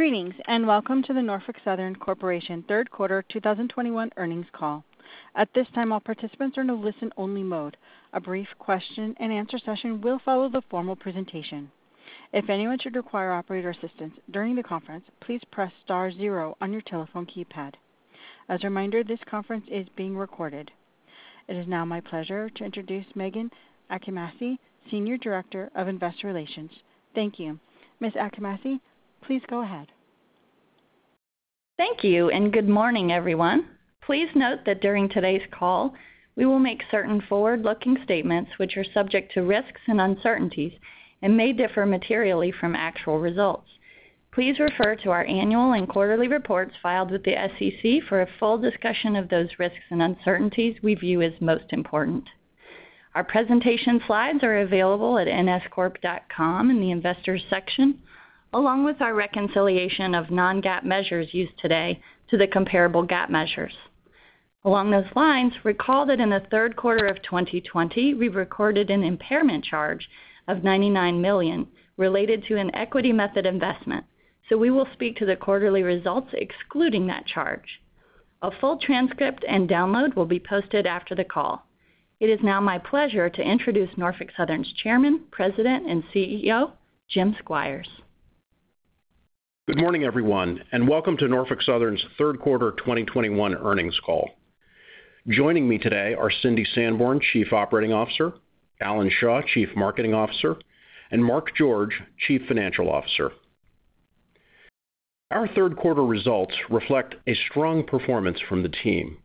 Greetings, and welcome to the Norfolk Southern Corporation Third Quarter 2021 Earnings Call. At this time, all participants are in a listen-only mode. A brief question-and-answer session will follow the formal presentation. If anyone should require operator assistance during the conference, please press star zero on your telephone keypad. As a reminder, this conference is being recorded. It is now my pleasure to introduce Meghan Achimasi, Senior Director of Investor Relations. Thank you. Ms. Achimasi, please go ahead. Thank you, and good morning, everyone. Please note that during today's call, we will make certain forward-looking statements which are subject to risks and uncertainties and may differ materially from actual results. Please refer to our annual and quarterly reports filed with the SEC for a full discussion of those risks and uncertainties we view as most important. Our presentation slides are available at nscorp.com in the Investors section, along with our reconciliation of non-GAAP measures used today to the comparable GAAP measures. Along those lines, recall that in the third quarter of 2020, we recorded an impairment charge of $99 million related to an equity method investment, so we will speak to the quarterly results excluding that charge. A full transcript and download will be posted after the call. It is now my pleasure to introduce Norfolk Southern's Chairman, President, and CEO, Jim Squires. Good morning, everyone, and welcome to Norfolk Southern's third quarter 2021 earnings call. Joining me today are Cindy Sanborn, Chief Operating Officer, Alan Shaw, Chief Marketing Officer, and Mark George, Chief Financial Officer. Our third quarter results reflect a strong performance from the team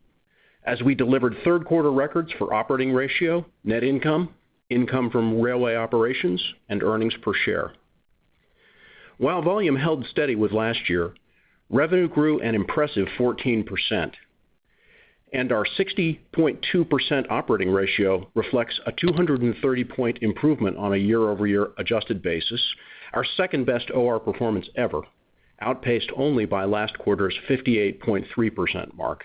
as we delivered third quarter records for operating ratio, net income from railway operations, and earnings per share. While volume held steady with last year, revenue grew an impressive 14%, and our 60.2% operating ratio reflects a 230-point improvement on a year-over-year adjusted basis, our second-best OR performance ever, outpaced only by last quarter's 58.3% mark.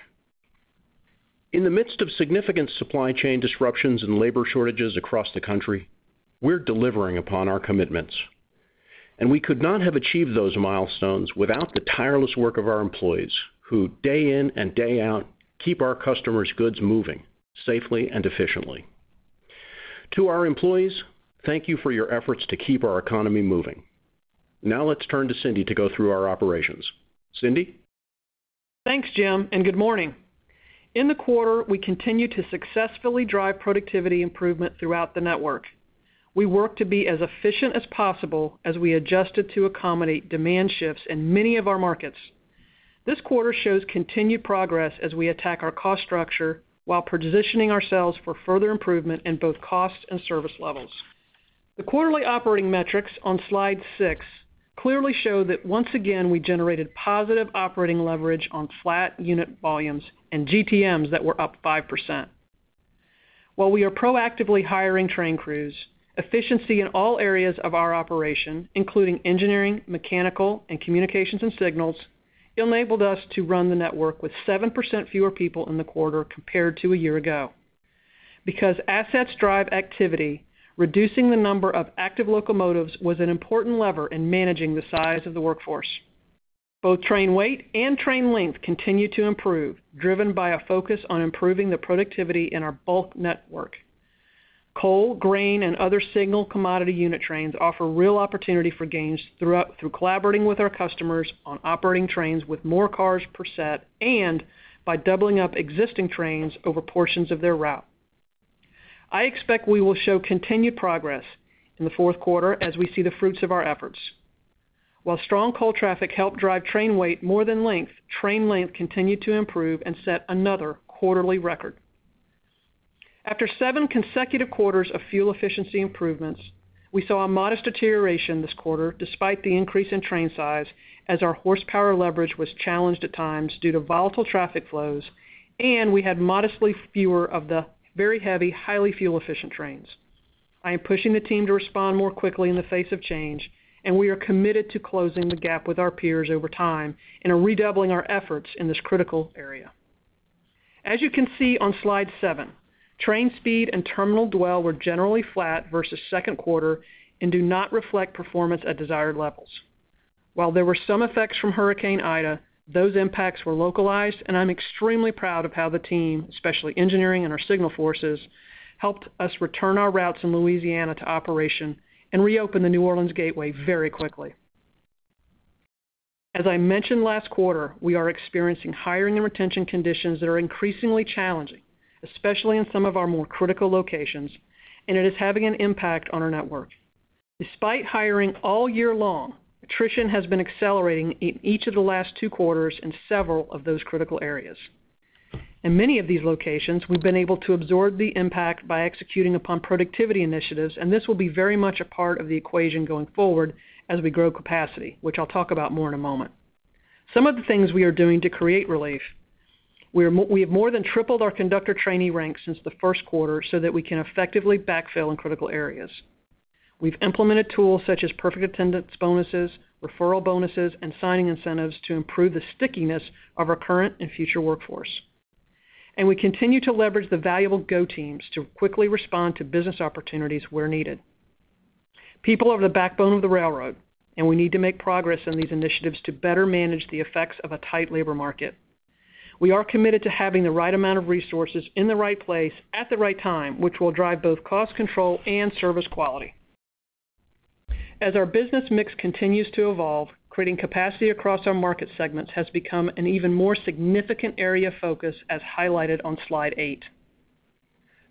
In the midst of significant supply chain disruptions and labor shortages across the country, we're delivering upon our commitments, and we could not have achieved those milestones without the tireless work of our employees who, day in and day out, keep our customers' goods moving safely and efficiently. To our employees, thank you for your efforts to keep our economy moving. Now let's turn to Cindy to go through our operations. Cindy? Thanks, Jim, and good morning. In the quarter, we continued to successfully drive productivity improvement throughout the network. We worked to be as efficient as possible as we adjusted to accommodate demand shifts in many of our markets. This quarter shows continued progress as we attack our cost structure while positioning ourselves for further improvement in both cost and service levels. The quarterly operating metrics on Slide 6 clearly show that once again we generated positive operating leverage on flat unit volumes and GTMs that were up 5%. While we are proactively hiring train crews, efficiency in all areas of our operation, including engineering, mechanical, and communications and signals, enabled us to run the network with 7% fewer people in the quarter compared to a year ago. Because assets drive activity, reducing the number of active locomotives was an important lever in managing the size of the workforce. Both train weight and train length continued to improve, driven by a focus on improving the productivity in our bulk network. Coal, grain, and other single commodity unit trains offer real opportunity for gains through collaborating with our customers on operating trains with more cars per set and by doubling up existing trains over portions of their route. I expect we will show continued progress in the fourth quarter as we see the fruits of our efforts. While strong coal traffic helped drive train weight more than length, train length continued to improve and set another quarterly record. After seven consecutive quarters of fuel efficiency improvements, we saw a modest deterioration this quarter despite the increase in train size as our horsepower leverage was challenged at times due to volatile traffic flows, and we had modestly fewer of the very heavy, highly fuel-efficient trains. I am pushing the team to respond more quickly in the face of change, and we are committed to closing the gap with our peers over time and are redoubling our efforts in this critical area. As you can see on Slide 7, train speed and terminal dwell were generally flat versus second quarter and do not reflect performance at desired levels. While there were some effects from Hurricane Ida, those impacts were localized, and I'm extremely proud of how the team, especially engineering and our signal forces, helped us return our routes in Louisiana to operation and reopen the New Orleans Gateway very quickly. As I mentioned last quarter, we are experiencing hiring and retention conditions that are increasingly challenging, especially in some of our more critical locations, and it is having an impact on our network. Despite hiring all year long, attrition has been accelerating in each of the last two quarters in several of those critical areas. In many of these locations, we've been able to absorb the impact by executing upon productivity initiatives, and this will be very much a part of the equation going forward as we grow capacity, which I'll talk about more in a moment. Some of the things we are doing to create relief, we have more than tripled our conductor trainee ranks since the first quarter so that we can effectively backfill in critical areas. We've implemented tools such as perfect attendance bonuses, referral bonuses, and signing incentives to improve the stickiness of our current and future workforce. We continue to leverage the valuable go teams to quickly respond to business opportunities where needed. People are the backbone of the railroad, and we need to make progress in these initiatives to better manage the effects of a tight labor market. We are committed to having the right amount of resources in the right place at the right time, which will drive both cost control and service quality. As our business mix continues to evolve, creating capacity across our market segments has become an even more significant area of focus as highlighted on Slide 8.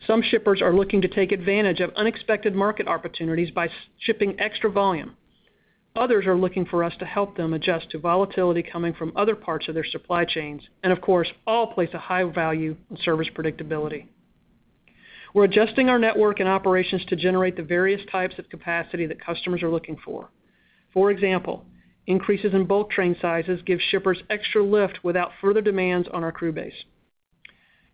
Some shippers are looking to take advantage of unexpected market opportunities by shipping extra volume. Others are looking for us to help them adjust to volatility coming from other parts of their supply chains, and of course, all place a high value on service predictability. We're adjusting our network and operations to generate the various types of capacity that customers are looking for. For example, increases in bulk train sizes give shippers extra lift without further demands on our crew base.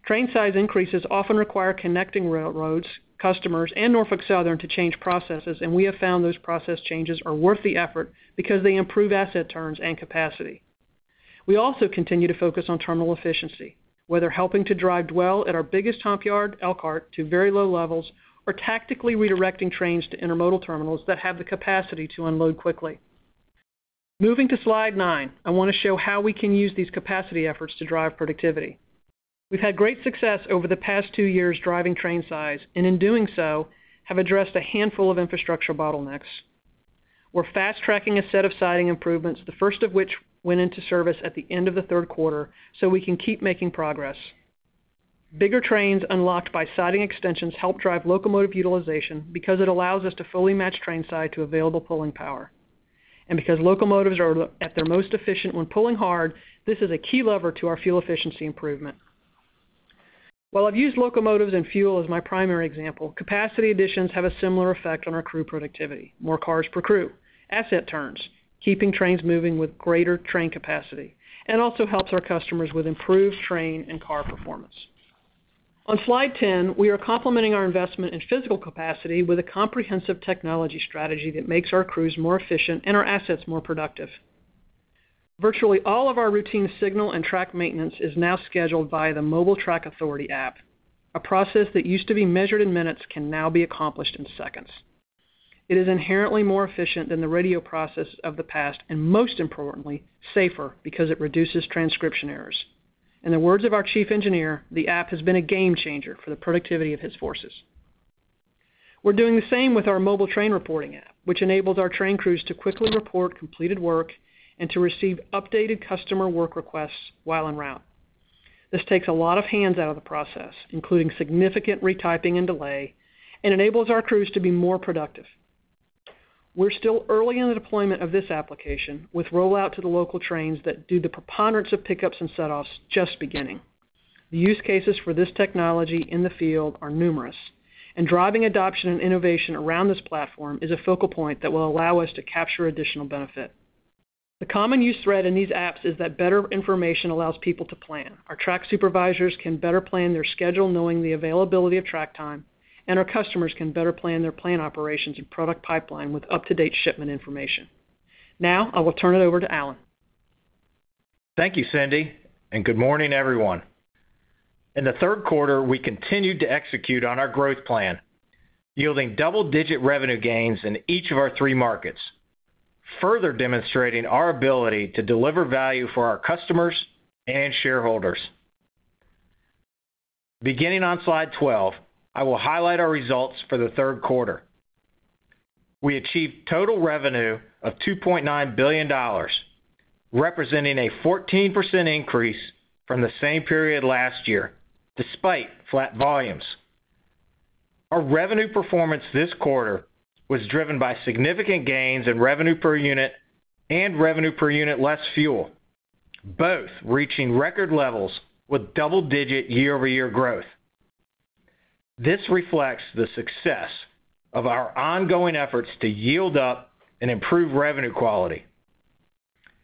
Train size increases often require connecting railroads, customers and Norfolk Southern to change processes, and we have found those process changes are worth the effort because they improve asset turns and capacity. We also continue to focus on terminal efficiency, whether helping to drive dwell at our biggest home yard, Elkhart, to very low levels, or tactically redirecting trains to intermodal terminals that have the capacity to unload quickly. Moving to Slide 9, I wanna show how we can use these capacity efforts to drive productivity. We've had great success over the past two years driving train size and in doing so, have addressed a handful of infrastructure bottlenecks. We're fast-tracking a set of siding improvements, the first of which went into service at the end of the third quarter, so we can keep making progress. Bigger trains unlocked by siding extensions help drive locomotive utilization because it allows us to fully match train size to available pulling power. Because locomotives are at their most efficient when pulling hard, this is a key lever to our fuel efficiency improvement. While I've used locomotives and fuel as my primary example, capacity additions have a similar effect on our crew productivity. More cars per crew, asset turns, keeping trains moving with greater train capacity, and also helps our customers with improved train and car performance. On Slide 10, we are complementing our investment in physical capacity with a comprehensive technology strategy that makes our crews more efficient and our assets more productive. Virtually all of our routine signal and track maintenance is now scheduled via the Mobile Track Authority app. A process that used to be measured in minutes can now be accomplished in seconds. It is inherently more efficient than the radio process of the past, and most importantly, safer because it reduces transcription errors. In the words of our chief engineer, the app has been a game changer for the productivity of his forces. We're doing the same with our mobile train reporting app, which enables our train crews to quickly report completed work and to receive updated customer work requests while en route. This takes a lot of hands out of the process, including significant retyping and delay, and enables our crews to be more productive. We're still early in the deployment of this application with rollout to the local trains that do the preponderance of pickups and setoffs just beginning. The use cases for this technology in the field are numerous, and driving adoption and innovation around this platform is a focal point that will allow us to capture additional benefit. The common use thread in these apps is that better information allows people to plan. Our track supervisors can better plan their schedule knowing the availability of track time, and our customers can better plan their operations and product pipeline with up-to-date shipment information. Now I will turn it over to Alan. Thank you, Cindy, and good morning, everyone. In the third quarter, we continued to execute on our growth plan, yielding double-digit revenue gains in each of our three markets, further demonstrating our ability to deliver value for our customers and shareholders. Beginning on Slide 12, I will highlight our results for the third quarter. We achieved total revenue of $2.9 billion, representing a 14% increase from the same period last year, despite flat volumes. Our revenue performance this quarter was driven by significant gains in revenue per unit and revenue per unit less fuel, both reaching record levels with double-digit year-over-year growth. This reflects the success of our ongoing efforts to yield up and improve revenue quality,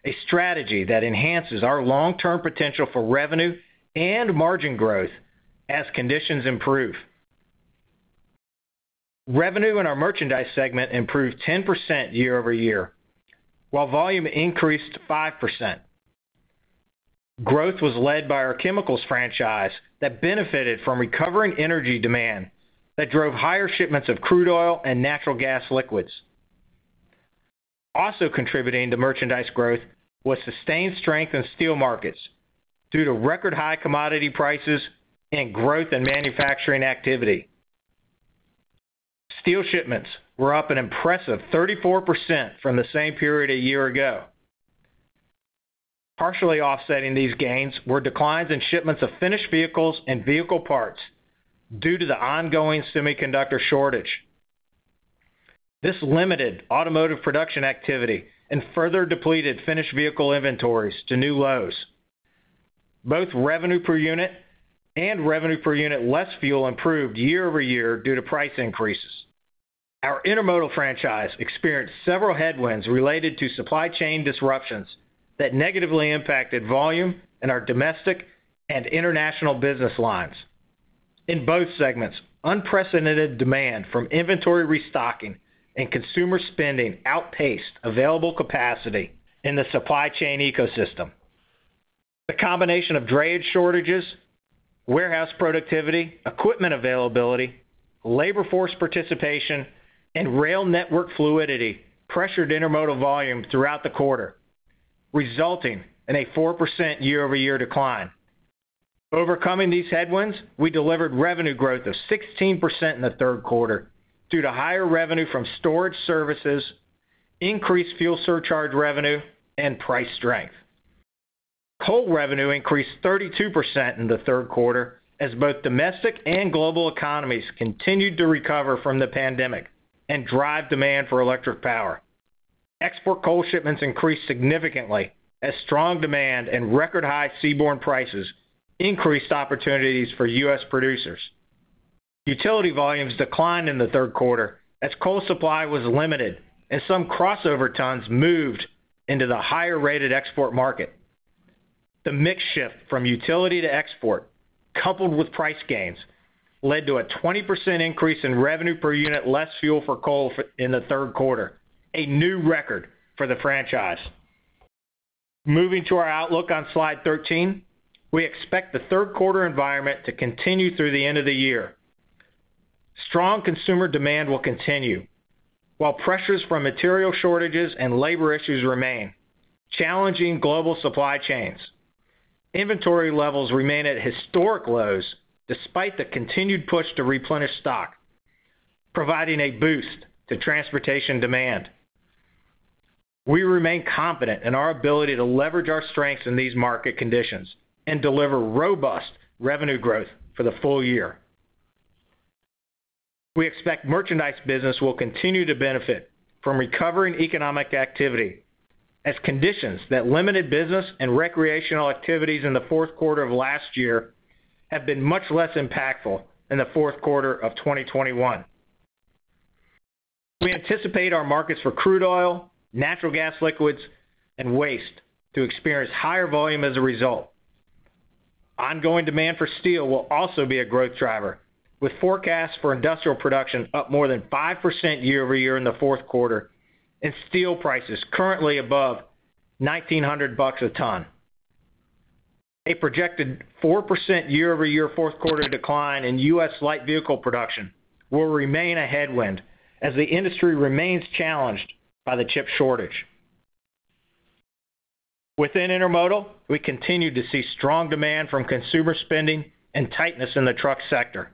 a strategy that enhances our long-term potential for revenue and margin growth as conditions improve. Revenue in our Merchandise segment improved 10% year-over-year, while volume increased 5%. Growth was led by our chemicals franchise that benefited from recovering energy demand that drove higher shipments of crude oil and natural gas liquids. Also contributing to merchandise growth was sustained strength in steel markets due to record high commodity prices and growth in manufacturing activity. Steel shipments were up an impressive 34% from the same period a year ago. Partially offsetting these gains were declines in shipments of finished vehicles and vehicle parts due to the ongoing semiconductor shortage. This limited automotive production activity and further depleted finished vehicle inventories to new lows. Both revenue per unit and revenue per unit less fuel improved year-over-year due to price increases. Our intermodal franchise experienced several headwinds related to supply chain disruptions that negatively impacted volume in our domestic and international business lines. In both segments, unprecedented demand from inventory restocking and consumer spending outpaced available capacity in the supply chain ecosystem. The combination of drayage shortages, warehouse productivity, equipment availability, labor force participation, and rail network fluidity pressured intermodal volume throughout the quarter, resulting in a 4% year-over-year decline. Overcoming these headwinds, we delivered revenue growth of 16% in the third quarter due to higher revenue from storage services, increased fuel surcharge revenue, and price strength. Coal revenue increased 32% in the third quarter as both domestic and global economies continued to recover from the pandemic and drive demand for electric power. Export coal shipments increased significantly as strong demand and record-high seaborne prices increased opportunities for U.S. producers. Utility volumes declined in the third quarter as coal supply was limited and some crossover tons moved into the higher-rated export market. The mix shift from utility to export, coupled with price gains, led to a 20% increase in revenue per unit ex-fuel for coal in the third quarter, a new record for the franchise. Moving to our outlook on Slide 13, we expect the third quarter environment to continue through the end of the year. Strong consumer demand will continue, while pressures from material shortages and labor issues remain, challenging global supply chains. Inventory levels remain at historic lows despite the continued push to replenish stock, providing a boost to transportation demand. We remain confident in our ability to leverage our strengths in these market conditions and deliver robust revenue growth for the full-year. We expect merchandise business will continue to benefit from recovering economic activity as conditions that limited business and recreational activities in the fourth quarter of last year have been much less impactful in the fourth quarter of 2021. We anticipate our markets for crude oil, natural gas liquids, and waste to experience higher volume as a result. Ongoing demand for steel will also be a growth driver, with forecasts for industrial production up more than 5% year-over-year in the fourth quarter and steel prices currently above $1,900 a ton. A projected 4% year-over-year fourth quarter decline in U.S. light vehicle production will remain a headwind as the industry remains challenged by the chip shortage. Within intermodal, we continue to see strong demand from consumer spending and tightness in the truck sector.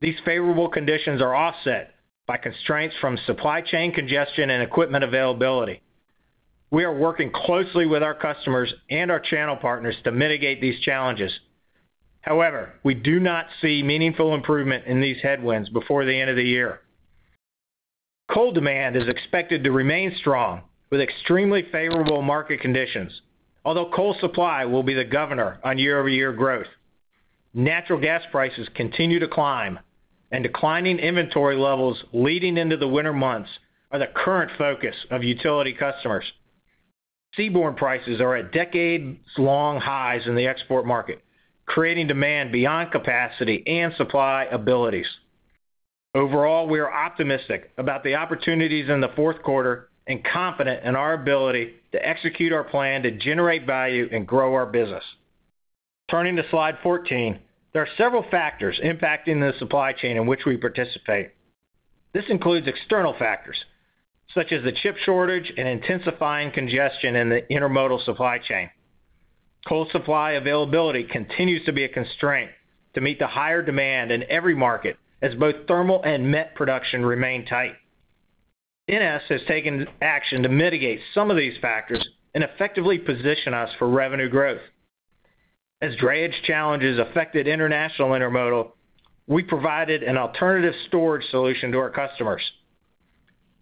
These favorable conditions are offset by constraints from supply chain congestion and equipment availability. We are working closely with our customers and our channel partners to mitigate these challenges. However, we do not see meaningful improvement in these headwinds before the end of the year. Coal demand is expected to remain strong with extremely favorable market conditions, although coal supply will be the governor on year-over-year growth. Natural gas prices continue to climb, and declining inventory levels leading into the winter months are the current focus of utility customers. Seaborne prices are at decades-long highs in the export market, creating demand beyond capacity and supply abilities. Overall, we are optimistic about the opportunities in the fourth quarter and confident in our ability to execute our plan to generate value and grow our business. Turning to Slide 14, there are several factors impacting the supply chain in which we participate. This includes external factors, such as the chip shortage and intensifying congestion in the intermodal supply chain. Coal supply availability continues to be a constraint to meet the higher demand in every market as both thermal and met production remain tight. NS has taken action to mitigate some of these factors and effectively position us for revenue growth. As drayage challenges affected international intermodal, we provided an alternative storage solution to our customers.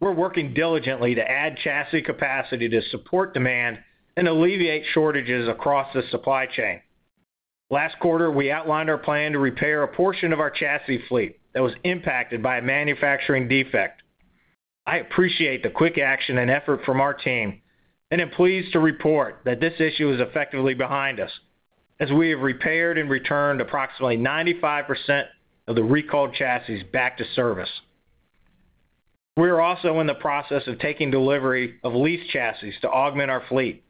We're working diligently to add chassis capacity to support demand and alleviate shortages across the supply chain. Last quarter, we outlined our plan to repair a portion of our chassis fleet that was impacted by a manufacturing defect. I appreciate the quick action and effort from our team and am pleased to report that this issue is effectively behind us as we have repaired and returned approximately 95% of the recalled chassis back to service. We are also in the process of taking delivery of leased chassis to augment our fleet.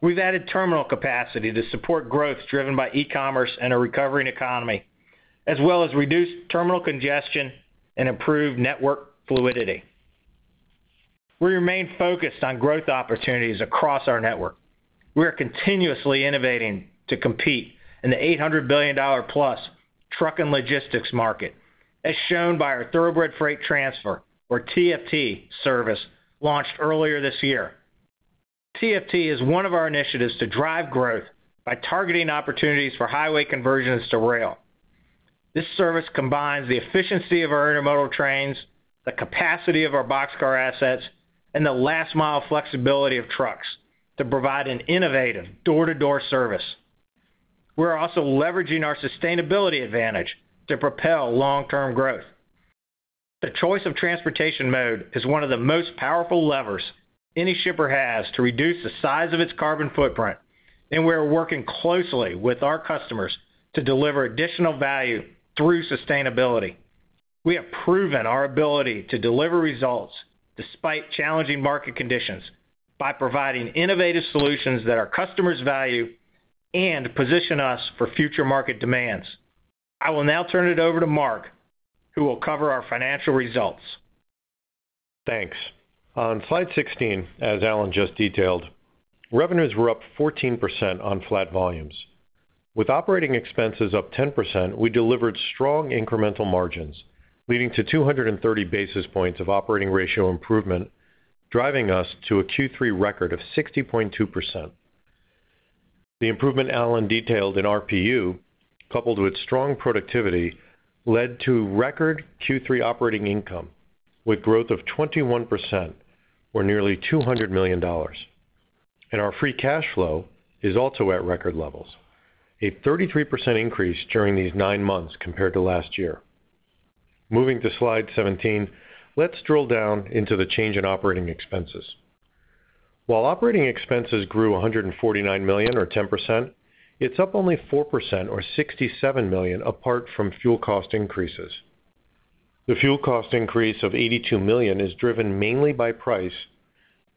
We've added terminal capacity to support growth driven by e-commerce and a recovering economy, as well as reduce terminal congestion and improve network fluidity. We remain focused on growth opportunities across our network. We are continuously innovating to compete in the $800 billion-plus truck and logistics market, as shown by our Thoroughbred Freight Transfer, or TFT service, launched earlier this year. TFT is one of our initiatives to drive growth by targeting opportunities for highway conversions to rail. This service combines the efficiency of our intermodal trains, the capacity of our boxcar assets, and the last-mile flexibility of trucks to provide an innovative door-to-door service. We're also leveraging our sustainability advantage to propel long-term growth. The choice of transportation mode is one of the most powerful levers any shipper has to reduce the size of its carbon footprint, and we are working closely with our customers to deliver additional value through sustainability. We have proven our ability to deliver results despite challenging market conditions by providing innovative solutions that our customers value and position us for future market demands. I will now turn it over to Mark, who will cover our financial results. Thanks. On Slide 16, as Alan just detailed, revenues were up 14% on flat volumes. With operating expenses up 10%, we delivered strong incremental margins, leading to 230 basis points of operating ratio improvement, driving us to a Q3 record of 60.2%. The improvement Alan detailed in RPU, coupled with strong productivity, led to record Q3 operating income with growth of 21% or nearly $200 million. Our free cash flow is also at record levels, a 33% increase during these nine months compared to last year. Moving to Slide 17, let's drill down into the change in operating expenses. While operating expenses grew $149 million or 10%, it's up only 4% or $67 million apart from fuel cost increases. The fuel cost increase of $82 million is driven mainly by price,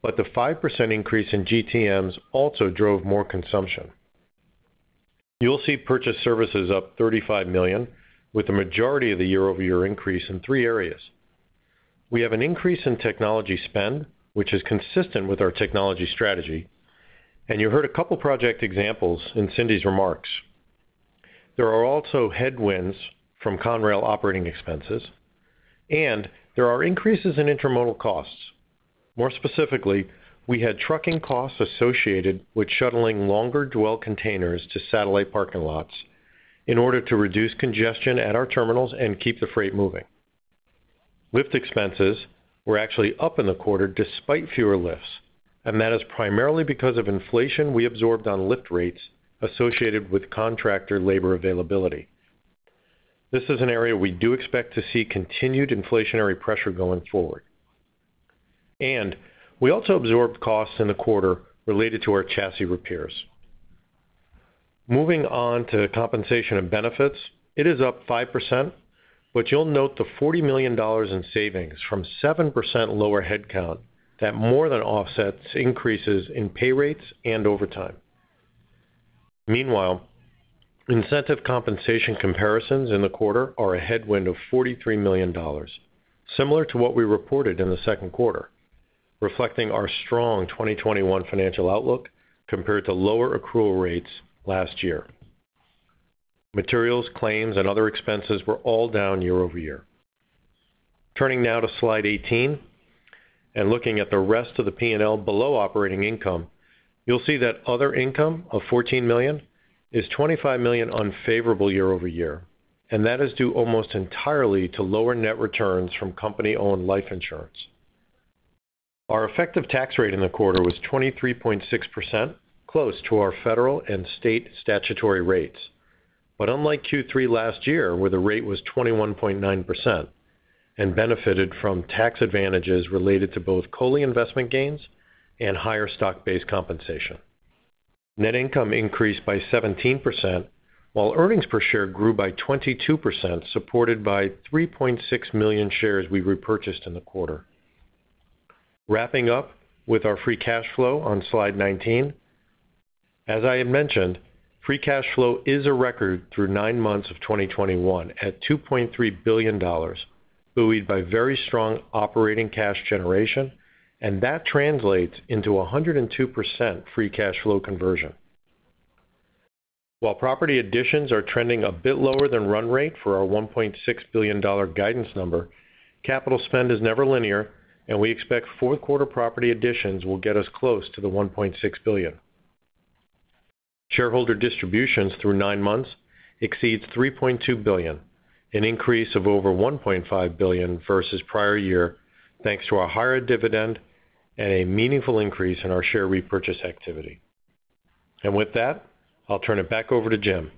but the 5% increase in GTMs also drove more consumption. You'll see purchased services up $35 million, with the majority of the year-over-year increase in three areas. We have an increase in technology spend, which is consistent with our technology strategy, and you heard a couple project examples in Cindy's remarks. There are also headwinds from Conrail operating expenses, and there are increases in intermodal costs. More specifically, we had trucking costs associated with shuttling longer dwell containers to satellite parking lots in order to reduce congestion at our terminals and keep the freight moving. Lift expenses were actually up in the quarter despite fewer lifts, and that is primarily because of inflation we absorbed on lift rates associated with contractor labor availability. This is an area we do expect to see continued inflationary pressure going forward. We also absorbed costs in the quarter related to our chassis repairs. Moving on to compensation and benefits, it is up 5%, but you'll note the $40 million in savings from 7% lower headcount that more than offsets increases in pay rates and overtime. Meanwhile, incentive compensation comparisons in the quarter are a headwind of $43 million, similar to what we reported in the second quarter, reflecting our strong 2021 financial outlook compared to lower accrual rates last year. Materials, claims, and other expenses were all down year-over-year. Turning now to Slide 18 and looking at the rest of the P&L below operating income, you'll see that other income of $14 million is $25 million unfavorable year-over-year, and that is due almost entirely to lower net returns from company-owned life insurance. Our effective tax rate in the quarter was 23.6%, close to our federal and state statutory rates, but unlike Q3 last year, where the rate was 21.9% and benefited from tax advantages related to both COLI investment gains and higher stock-based compensation. Net income increased by 17%, while earnings per share grew by 22%, supported by 3.6 million shares we repurchased in the quarter. Wrapping up with our free cash flow on Slide 19. As I had mentioned, free cash flow is a record through nine months of 2021 at $2.3 billion, buoyed by very strong operating cash generation, and that translates into a 102% free cash flow conversion. While property additions are trending a bit lower than run rate for our $1.6 billion guidance number, capital spend is never linear, and we expect fourth quarter property additions will get us close to the $1.6 billion. Shareholder distributions through nine months exceeds $3.2 billion, an increase of over $1.5 billion versus prior-year, thanks to a higher dividend and a meaningful increase in our share repurchase activity. With that, I'll turn it back over to Jim.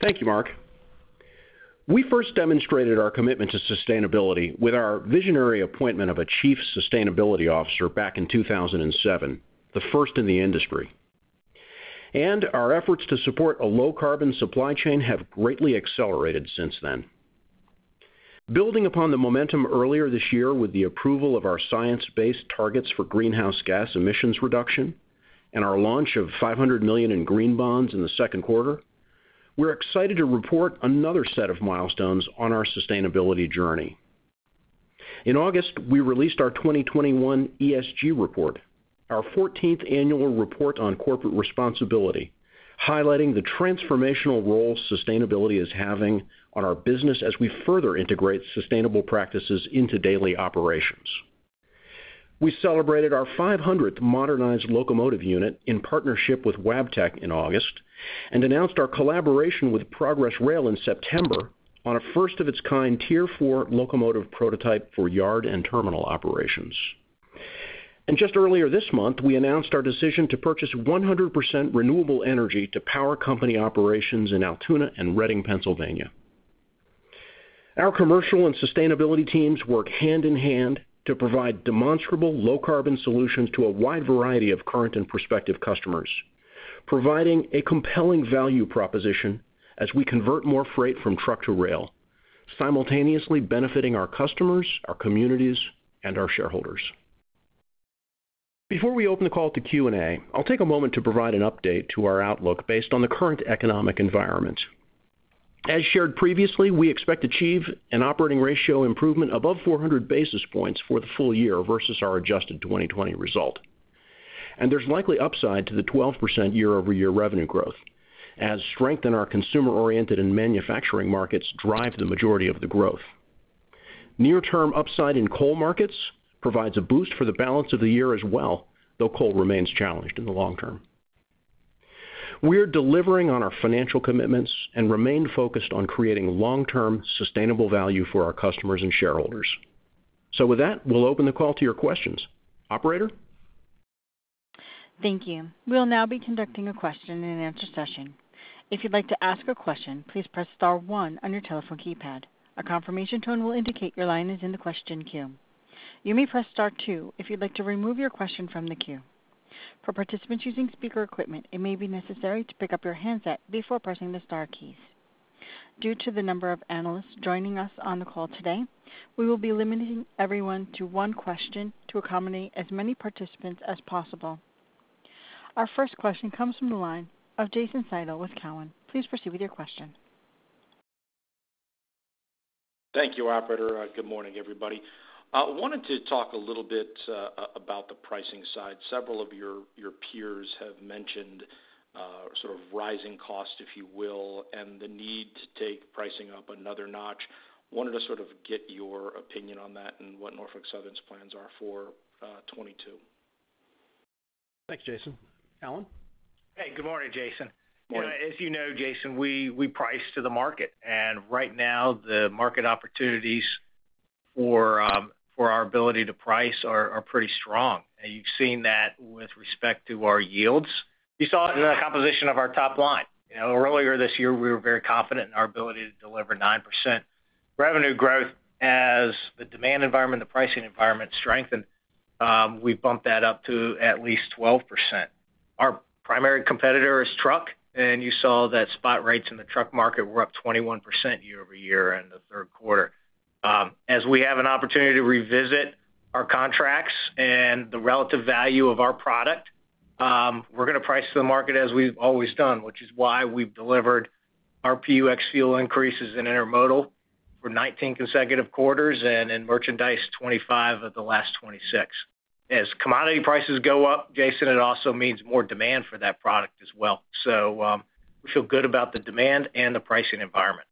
Thank you, Mark. We first demonstrated our commitment to sustainability with our visionary appointment of a chief sustainability officer back in 2007, the first in the industry. Our efforts to support a low carbon supply chain have greatly accelerated since then. Building upon the momentum earlier this year with the approval of our science-based targets for greenhouse gas emissions reduction and our launch of $500 million in green bonds in the second quarter, we're excited to report another set of milestones on our sustainability journey. In August, we released our 2021 ESG report, our fourteenth annual report on corporate responsibility, highlighting the transformational role sustainability is having on our business as we further integrate sustainable practices into daily operations. We celebrated our 500th modernized locomotive unit in partnership with Wabtec in August and announced our collaboration with Progress Rail in September on a first-of-its-kind Tier 4 locomotive prototype for yard and terminal operations. Just earlier this month, we announced our decision to purchase 100% renewable energy to power company operations in Altoona and Reading, Pennsylvania. Our commercial and sustainability teams work hand in hand to provide demonstrable low carbon solutions to a wide variety of current and prospective customers, providing a compelling value proposition as we convert more freight from truck to rail, simultaneously benefiting our customers, our communities, and our shareholders. Before we open the call to Q&A, I'll take a moment to provide an update to our outlook based on the current economic environment. As shared previously, we expect to achieve an operating ratio improvement above 400 basis points for the full-year versus our adjusted 2020 result. There's likely upside to the 12% year-over-year revenue growth as strength in our consumer-oriented and manufacturing markets drive the majority of the growth. Near term upside in coal markets provides a boost for the balance of the year as well, though coal remains challenged in the long term. We're delivering on our financial commitments and remain focused on creating long-term sustainable value for our customers and shareholders. With that, we'll open the call to your questions. Operator? Thank you. We'll now be conducting a question-and-answer session. If you'd like to ask a question, please press star one on your telephone keypad. A confirmation tone will indicate your line is in the question queue. You may press star two if you'd like to remove your question from the queue. For participants using speaker equipment, it may be necessary to pick up your handset before pressing the star keys. Due to the number of analysts joining us on the call today, we will be limiting everyone to one question to accommodate as many participants as possible. Our first question comes from the line of Jason Seidl with Cowen. Please proceed with your question. Thank you, operator. Good morning, everybody. I wanted to talk a little bit about the pricing side. Several of your peers have mentioned sort of rising costs, if you will, and the need to take pricing up another notch. Wanted to sort of get your opinion on that and what Norfolk Southern's plans are for 2022. Thanks, Jason. Alan? Hey, good morning, Jason. You know, as you know, Jason, we price to the market, and right now the market opportunities for our ability to price are pretty strong. You've seen that with respect to our yields. You saw it in the composition of our top line. You know, earlier this year, we were very confident in our ability to deliver 9% revenue growth. As the demand environment, the pricing environment strengthened, we bumped that up to at least 12%. Our primary competitor is truck, and you saw that spot rates in the truck market were up 21% year-over-year in the third quarter. As we have an opportunity to revisit our contracts and the relative value of our product, we're gonna price to the market as we've always done, which is why we've delivered our RPU ex-fuel increases in intermodal for 19 consecutive quarters and in merchandise, 25 of the last 26. As commodity prices go up, Jason, it also means more demand for that product as well. We feel good about the demand and the pricing environment.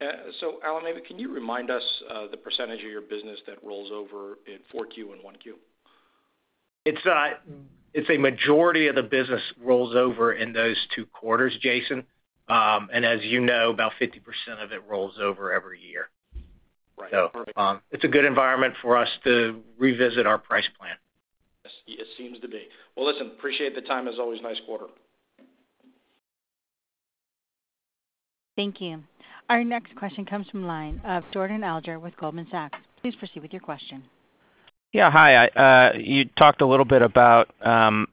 Alan, maybe can you remind us the percentage of your business that rolls over in Q4 and Q1? It's a majority of the business rolls over in those two quarters, Jason. As you know, about 50% of it rolls over every year. Right. Perfect. It's a good environment for us to revisit our price plan. Yes, it seems to be. Well, listen, appreciate the time as always. Nice quarter. Thank you. Our next question comes from the line of Jordan Alliger with Goldman Sachs. Please proceed with your question. Yeah. Hi. You talked a little bit about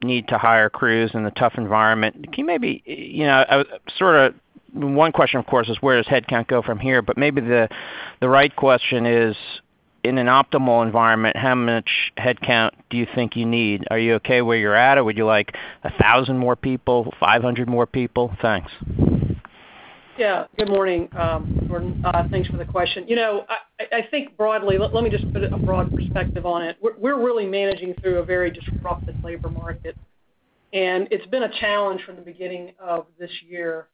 need to hire crews in a tough environment. Can you you know, sort of one question, of course, is where does headcount go from here? Maybe the right question is, in an optimal environment, how much headcount do you think you need? Are you okay where you're at, or would you like 1,000 more people, 500 more people? Thanks. Yeah. Good morning, Jordan. Thanks for the question. You know, I think broadly. Let me just put a broad perspective on it. We're really managing through a very disrupted labor market, and it's been a challenge from the beginning of this year.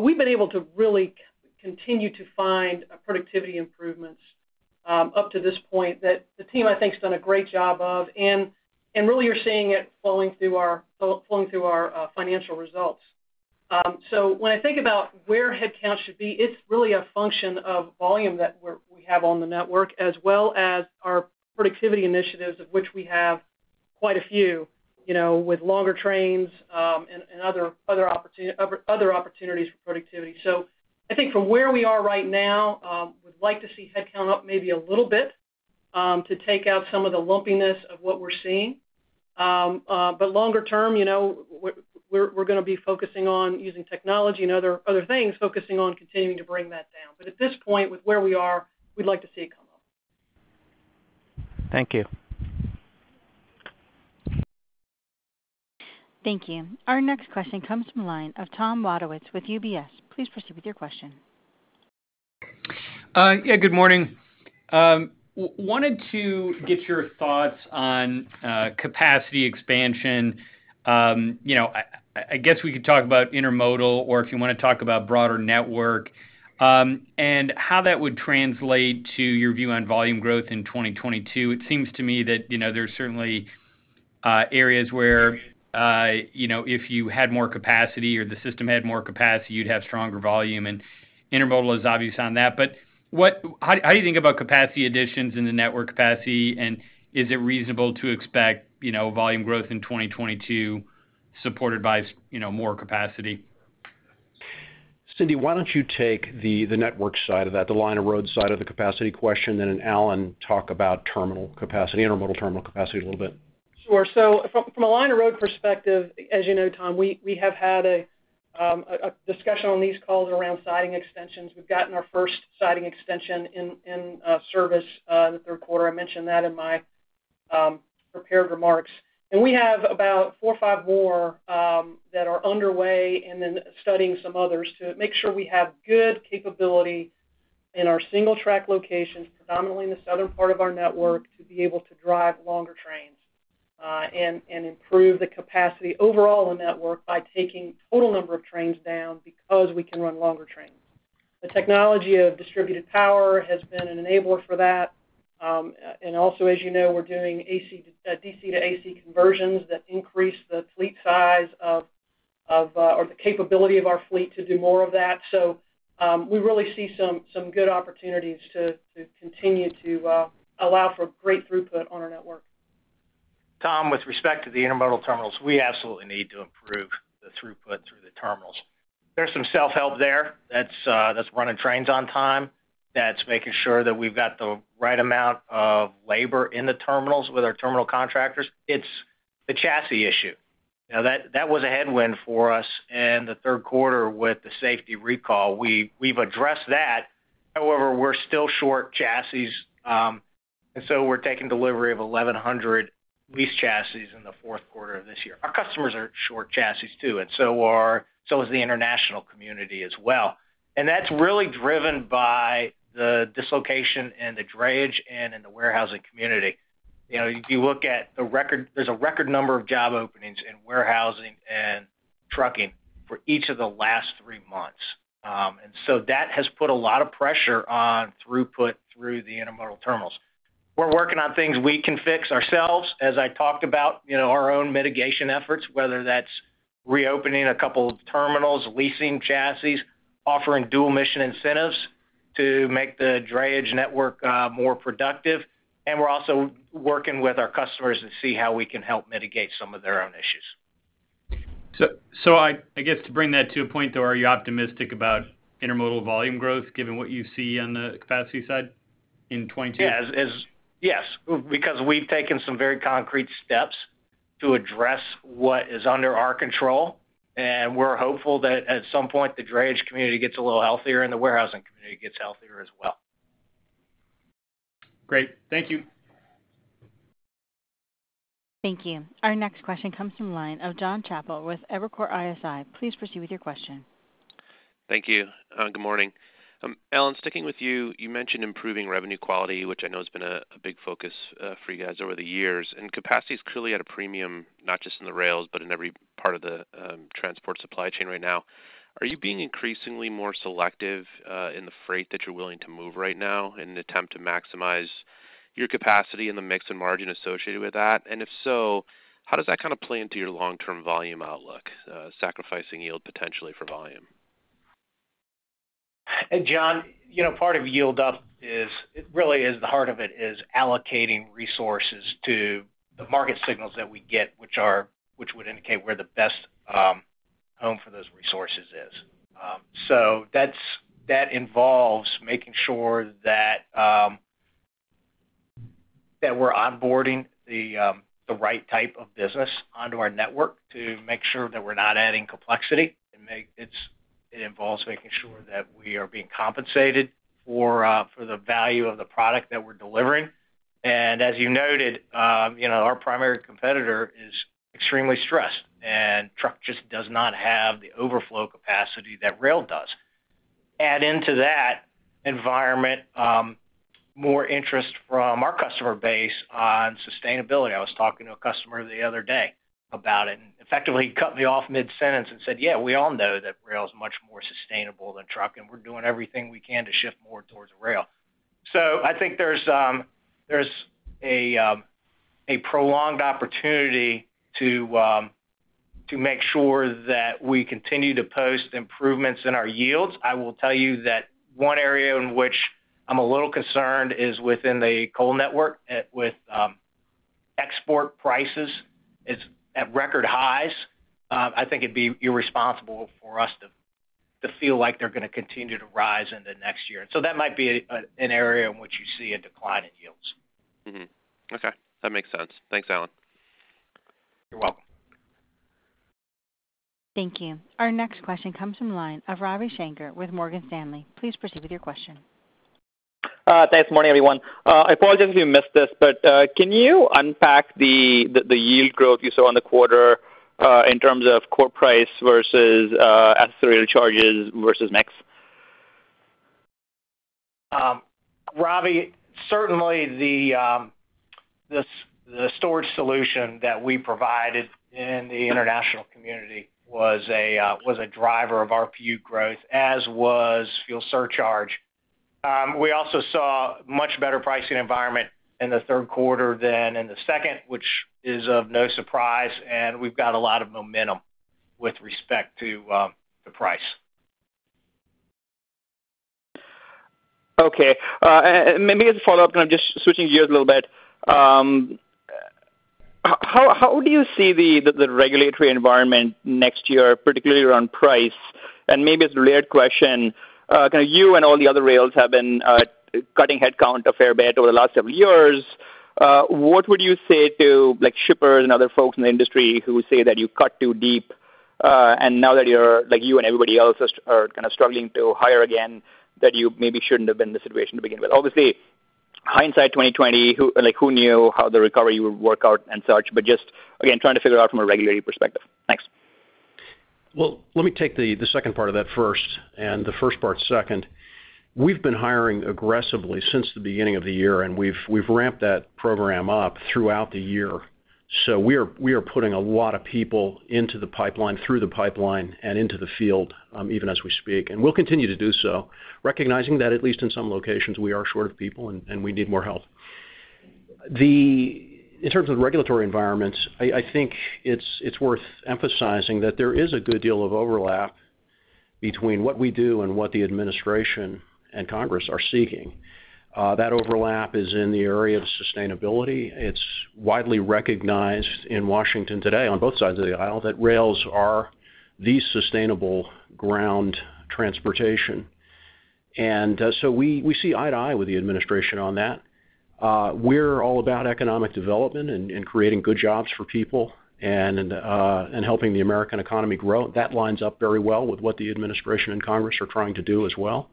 We've been able to really continue to find productivity improvements up to this point that the team, I think, has done a great job of, and really you're seeing it flowing through our financial results. When I think about where headcount should be, it's really a function of volume that we have on the network, as well as our productivity initiatives, of which we have quite a few, you know, with longer trains and other opportunities for productivity. I think from where we are right now, I would like to see headcount up maybe a little bit, to take out some of the lumpiness of what we're seeing. Longer term, you know, we're gonna be focusing on using technology and other things, focusing on continuing to bring that down. At this point, with where we are, we'd like to see it come up. Thank you. Thank you. Our next question comes from the line of Tom Wadewitz with UBS. Please proceed with your question. Yeah, good morning. Wanted to get your thoughts on capacity expansion. You know, I guess we could talk about intermodal or if you wanna talk about broader network, and how that would translate to your view on volume growth in 2022. It seems to me that, you know, there's certainly areas where you know if you had more capacity or the system had more capacity you'd have stronger volume and intermodal is obvious on that. How do you think about capacity additions in the network capacity and is it reasonable to expect you know volume growth in 2022 supported by you know more capacity? Cindy, why don't you take the network side of that, the line of road side of the capacity question, then Alan, talk about terminal capacity, intermodal terminal capacity a little bit. Sure. From a line of road perspective, as you know, Tom, we have had a discussion on these calls around siding extensions. We've gotten our first siding extension in service in the third quarter. I mentioned that in my prepared remarks. We have about four or five more that are underway and then studying some others to make sure we have good capability in our single track locations, predominantly in the southern part of our network, to be able to drive longer trains and improve the capacity overall in network by taking total number of trains down because we can run longer trains. The technology of distributed power has been an enabler for that, and also as you know, we're doing DC to AC conversions that increase the fleet size of or the capability of our fleet to do more of that. We really see some good opportunities to continue to allow for great throughput on our network. Tom, with respect to the intermodal terminals, we absolutely need to improve the throughput through the terminals. There's some self-help there that's running trains on time, that's making sure that we've got the right amount of labor in the terminals with our terminal contractors. It's the chassis issue. Now that was a headwind for us in the third quarter with the safety recall. We've addressed that. However, we're still short chassis, and so we're taking delivery of 1,100 lease chassis in the fourth quarter of this year. Our customers are short chassis too, and so is the international community as well. That's really driven by the dislocation and the drayage and in the warehousing community. You know, if you look at the record, there's a record number of job openings in warehousing and trucking for each of the last three months. That has put a lot of pressure on throughput through the intermodal terminals. We're working on things we can fix ourselves, as I talked about, you know, our own mitigation efforts, whether that's reopening a couple of terminals, leasing chassis, offering dual-mission incentives to make the drayage network more productive. We're also working with our customers to see how we can help mitigate some of their own issues. I guess to bring that to a point, though, are you optimistic about intermodal volume growth given what you see on the capacity side in 2022? Yes, because we've taken some very concrete steps to address what is under our control, and we're hopeful that at some point the drayage community gets a little healthier and the warehousing community gets healthier as well. Great. Thank you. Thank you. Our next question comes from the line of Jonathan Chappell with Evercore ISI. Please proceed with your question. Thank you. Good morning. Alan, sticking with you mentioned improving revenue quality, which I know has been a big focus for you guys over the years. Capacity is clearly at a premium, not just in the rails, but in every part of the transport supply chain right now. Are you being increasingly more selective in the freight that you're willing to move right now in an attempt to maximize your capacity in the mix and margin associated with that? If so, how does that kind of play into your long-term volume outlook, sacrificing yield potentially for volume? Hey, Jon, you know, part of yield up is it really is the heart of it, is allocating resources to the market signals that we get, which would indicate where the best home for those resources is. So that's that involves making sure that we're onboarding the right type of business onto our network to make sure that we're not adding complexity. It involves making sure that we are being compensated for the value of the product that we're delivering. As you noted, you know, our primary competitor is extremely stressed, and truck just does not have the overflow capacity that rail does. Add into that environment, more interest from our customer base on sustainability. I was talking to a customer the other day about it, and effectively cut me off mid-sentence and said, "Yeah, we all know that rail is much more sustainable than truck, and we're doing everything we can to shift more towards rail." I think there's a prolonged opportunity to make sure that we continue to post improvements in our yields. I will tell you that one area in which I'm a little concerned is within the coal network with export prices is at record highs. I think it'd be irresponsible for us to feel like they're gonna continue to rise into next year. That might be an area in which you see a decline in yields. Okay, that makes sense. Thanks, Alan. You're welcome. Thank you. Our next question comes from the line of Ravi Shanker with Morgan Stanley. Please proceed with your question. Good morning, everyone. I apologize if you missed this, but can you unpack the yield growth you saw on the quarter in terms of core price versus accessorial charges versus mix? Ravi, certainly the storage solution that we provided in the international community was a driver of RPU growth, as was fuel surcharge. We also saw much better pricing environment in the third quarter than in the second, which is of no surprise, and we've got a lot of momentum with respect to the price. Okay. Maybe as a follow-up, and I'm just switching gears a little bit, how do you see the regulatory environment next year, particularly around price? Maybe it's a weird question, kind of you and all the other rails have been cutting headcount a fair bit over the last several years. What would you say to like shippers and other folks in the industry who say that you cut too deep, and now that you're like you and everybody else are kind of struggling to hire again, that you maybe shouldn't have been in the situation to begin with? Obviously, hindsight is 20/20, like who knew how the recovery would work out and such. Just, again, trying to figure it out from a regulatory perspective. Thanks. Well, let me take the second part of that first and the first part second. We've been hiring aggressively since the beginning of the year, and we've ramped that program up throughout the year. We are putting a lot of people into the pipeline, through the pipeline and into the field, even as we speak, and we'll continue to do so, recognizing that at least in some locations, we are short of people and we need more help. In terms of regulatory environments, I think it's worth emphasizing that there is a good deal of overlap between what we do and what the administration and Congress are seeking. That overlap is in the area of sustainability. It's widely recognized in Washington today on both sides of the aisle that rails are the sustainable ground transportation. We see eye to eye with the administration on that. We're all about economic development and creating good jobs for people and helping the American economy grow. That lines up very well with what the administration and Congress are trying to do as well.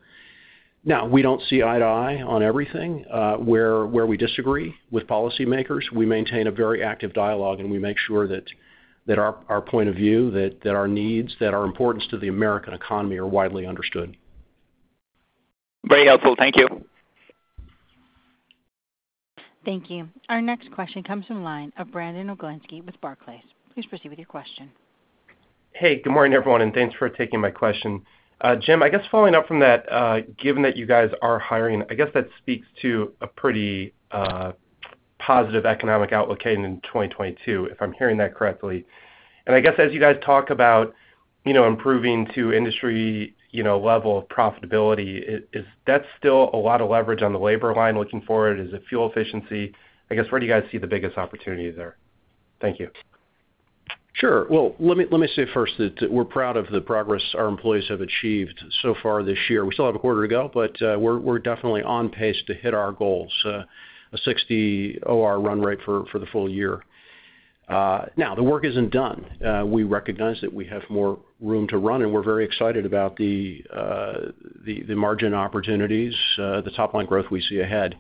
Now, we don't see eye to eye on everything. Where we disagree with policymakers, we maintain a very active dialogue, and we make sure that our point of view, that our needs, that our importance to the American economy are widely understood. Very helpful. Thank you. Thank you. Our next question comes from the line of Brandon Oglenski with Barclays. Please proceed with your question. Hey, good morning, everyone, and thanks for taking my question. Jim, I guess following up from that, given that you guys are hiring, I guess that speaks to a pretty positive economic outlook in 2022, if I'm hearing that correctly. I guess as you guys talk about, you know, improving to industry, you know, level of profitability, is that still a lot of leverage on the labor line looking forward. Is it fuel efficiency? I guess, where do you guys see the biggest opportunity there? Thank you. Sure. Well, let me say first that we're proud of the progress our employees have achieved so far this year. We still have a quarter to go, but we're definitely on pace to hit our goals, a 60% OR run rate for the full-year. Now, the work isn't done. We recognize that we have more room to run, and we're very excited about the margin opportunities, the top line growth we see ahead.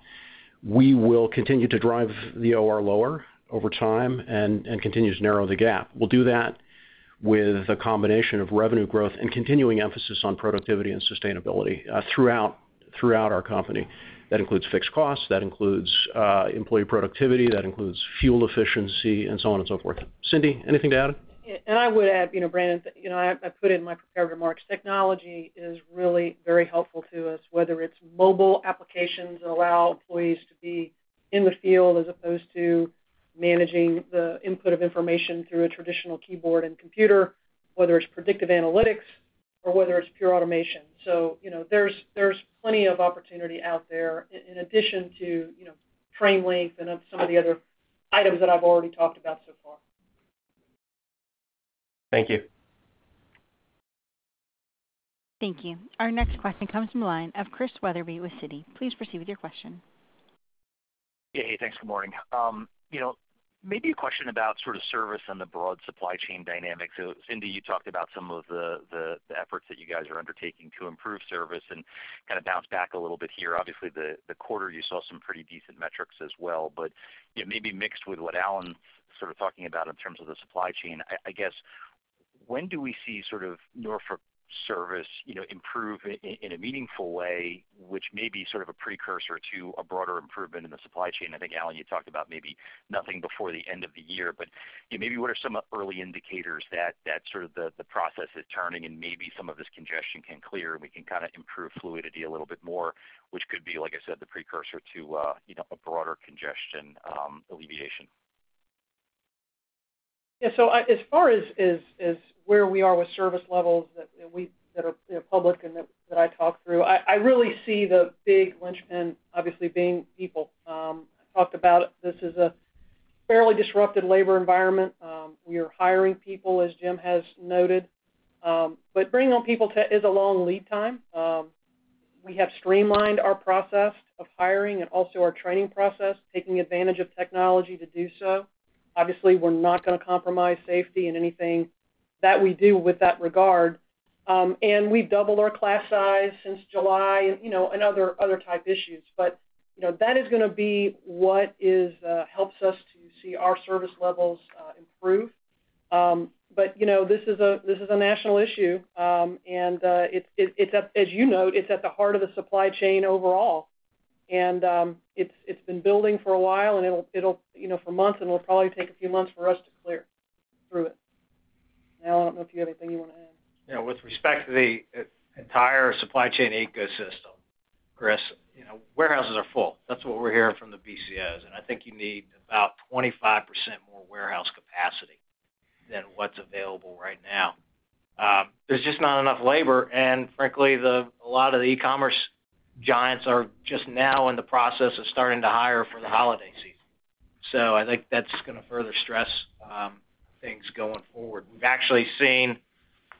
We will continue to drive the OR lower over time and continue to narrow the gap. We'll do that with a combination of revenue growth and continuing emphasis on productivity and sustainability throughout our company. That includes fixed costs. That includes employee productivity. That includes fuel efficiency and so on and so forth. Cindy, anything to add? I would add, you know, Brandon, you know, I put in my prepared remarks, technology is really very helpful to us, whether it's mobile applications that allow employees to be in the field as opposed to managing the input of information through a traditional keyboard and computer, whether it's predictive analytics or whether it's pure automation. So, you know, there's plenty of opportunity out there in addition to, you know, train length and of some of the other items that I've already talked about so far. Thank you. Thank you. Our next question comes from the line of Chris Wetherbee with Citi. Please proceed with your question. Yeah. Hey, thanks. Good morning. You know, maybe a question about sort of service and the broad supply chain dynamics. Cindy, you talked about some of the efforts that you guys are undertaking to improve service and kind of bounce back a little bit here. Obviously, the quarter, you saw some pretty decent metrics as well. You know, maybe mixed with what Alan sort of talking about in terms of the supply chain, I guess, when do we see sort of Norfolk service, you know, improve in a meaningful way, which may be sort of a precursor to a broader improvement in the supply chain? I think, Alan, you talked about maybe nothing before the end of the year, but, you know, maybe what are some early indicators that sort of the process is turning and maybe some of this congestion can clear and we can kind of improve fluidity a little bit more, which could be, like I said, the precursor to, you know, a broader congestion alleviation. As far as where we are with service levels that are, you know, public and that I talked through, I really see the big linchpin obviously being people. I talked about this is a fairly disrupted labor environment. We are hiring people, as Jim has noted. Bringing on people is a long lead time. We have streamlined our process of hiring and also our training process, taking advantage of technology to do so. Obviously, we're not gonna compromise safety in anything that we do in that regard. We've doubled our class size since July, you know, and other type issues. That is gonna be what helps us to see our service levels improve. This is a national issue. As you know, it's at the heart of the supply chain overall. It's been building for a while and it'll you know for months, and it'll probably take a few months for us to clear through it. Alan, I don't know if you have anything you wanna add. Yeah, with respect to the entire supply chain ecosystem, Chris, you know, warehouses are full. That's what we're hearing from the BCOs, and I think you need about 25% more warehouse capacity than what's available right now. There's just not enough labor, and frankly, a lot of the e-commerce giants are just now in the process of starting to hire for the holiday season. I think that's gonna further stress things going forward. We've actually seen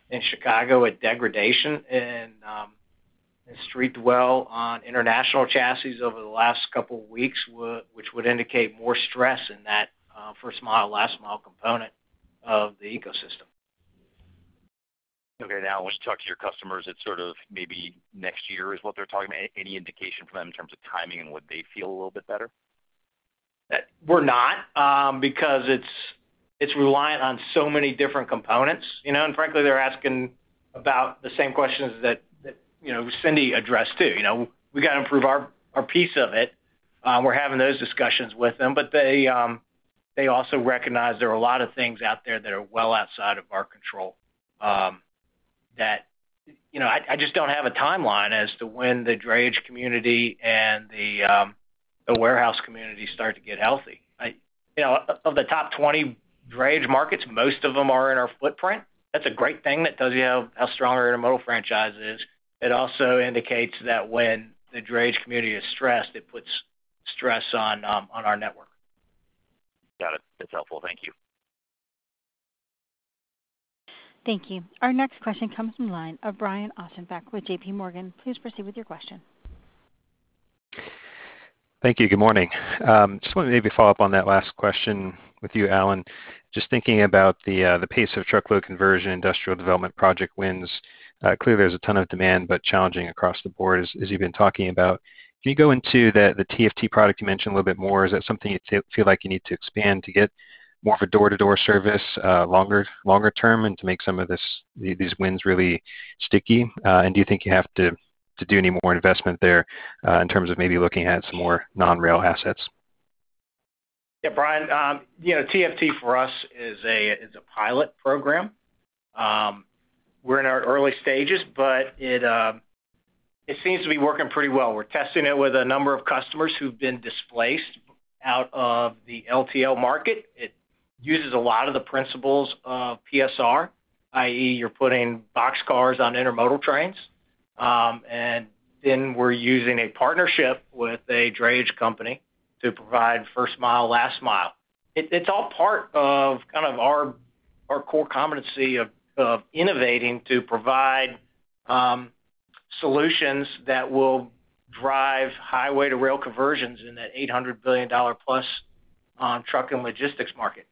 in Chicago a degradation in street dwell on international chassis over the last couple weeks, which would indicate more stress in that first-mile, last-mile component of the ecosystem. Okay. Now, when you talk to your customers, it's sort of maybe next year is what they're talking about. Any indication from them in terms of timing and would they feel a little bit better? We're not because it's reliant on so many different components, you know. Frankly, they're asking about the same questions that Cindy addressed too. You know, we gotta improve our piece of it. We're having those discussions with them, but they also recognize there are a lot of things out there that are well outside of our control, that. You know, I just don't have a timeline as to when the drayage community and the warehouse community start to get healthy. You know, of the top 20 drayage markets, most of them are in our footprint. That's a great thing that tells you how strong our intermodal franchise is. It also indicates that when the drayage community is stressed, it puts stress on our network. Got it. That's helpful. Thank you. Thank you. Our next question comes from the line of Brian Ossenbeck with J.P. Morgan. Please proceed with your question. Thank you. Good morning. Just wanted to maybe follow up on that last question with you, Alan. Just thinking about the pace of truckload conversion, industrial development project wins. Clearly there's a ton of demand, but challenging across the board, as you've been talking about. Can you go into the TFT product you mentioned a little bit more? Is that something you feel like you need to expand to get more of a door-to-door service, longer term and to make some of these wins really sticky? And do you think you have to do any more investment there, in terms of maybe looking at some more non-rail assets? Yeah, Brian, you know, TFT for us is a pilot program. We're in our early stages, but it seems to be working pretty well. We're testing it with a number of customers who've been displaced out of the LTL market. It uses a lot of the principles of PSR, i.e., you're putting boxcars on intermodal trains, and then we're using a partnership with a drayage company to provide first-mile, last-mile. It's all part of kind of our core competency of innovating to provide solutions that will drive highway to rail conversions in that $800 billion-plus truck and logistics market.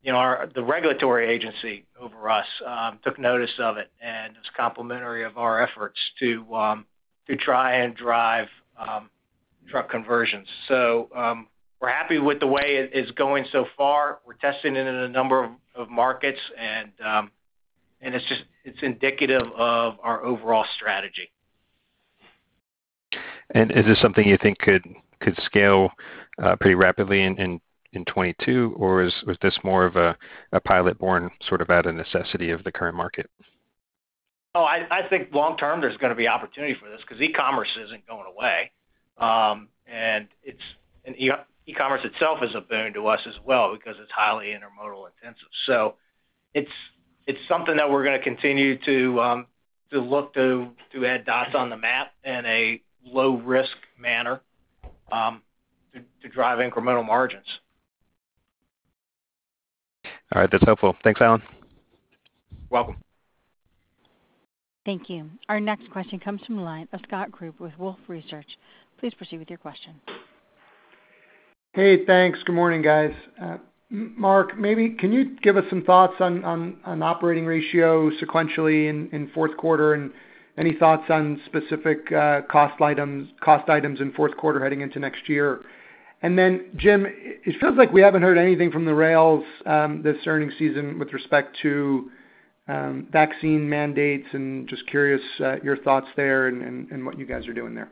You know, the regulatory agency over us took notice of it and was complimentary of our efforts to try and drive truck conversions. We're happy with the way it is going so far. We're testing it in a number of markets and it's indicative of our overall strategy. Is this something you think could scale pretty rapidly in 2022, or was this more of a pilot born sort of out of necessity of the current market? I think long-term there's gonna be opportunity for this because e-commerce isn't going away. E-commerce itself is a boon to us as well because it's highly intermodal intensive. It's something that we're gonna continue to look to add dots on the map in a low-risk manner to drive incremental margins. All right. That's helpful. Thanks, Alan. You're welcome. Thank you. Our next question comes from the line of Scott Group with Wolfe Research. Please proceed with your question. Hey, thanks. Good morning, guys. Mark, maybe can you give us some thoughts on operating ratio sequentially in fourth quarter, and any thoughts on specific cost items in fourth quarter heading into next year? Jim, it feels like we haven't heard anything from the rails this earnings season with respect to vaccine mandates, and just curious your thoughts there and what you guys are doing there.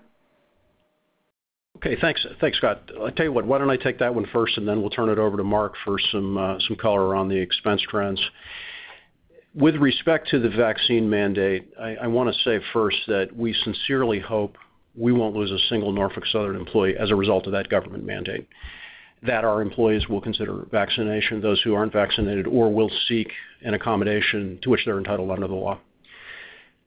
Okay, thanks. Thanks, Scott. I tell you what, why don't I take that one first, and then we'll turn it over to Mark for some color on the expense trends. With respect to the vaccine mandate, I wanna say first that we sincerely hope we won't lose a single Norfolk Southern employee as a result of that government mandate, that our employees will consider vaccination, those who aren't vaccinated, or will seek an accommodation to which they're entitled under the law.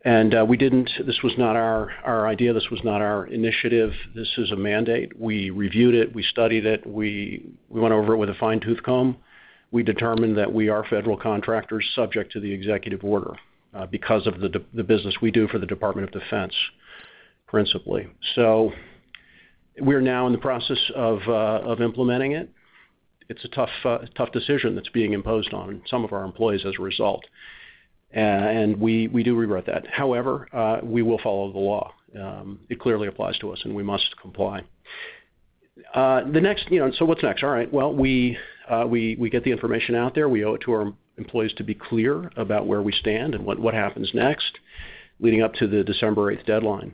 This was not our idea. This was not our initiative. This is a mandate. We reviewed it. We studied it. We went over it with a fine-tooth comb. We determined that we are federal contractors subject to the executive order, because of the business we do for the Department of Defense, principally. We're now in the process of implementing it. It's a tough decision that's being imposed on some of our employees as a result. We do regret that. However, we will follow the law. It clearly applies to us, and we must comply. You know, what's next? All right. Well, we get the information out there. We owe it to our employees to be clear about where we stand and what happens next leading up to the December eighth deadline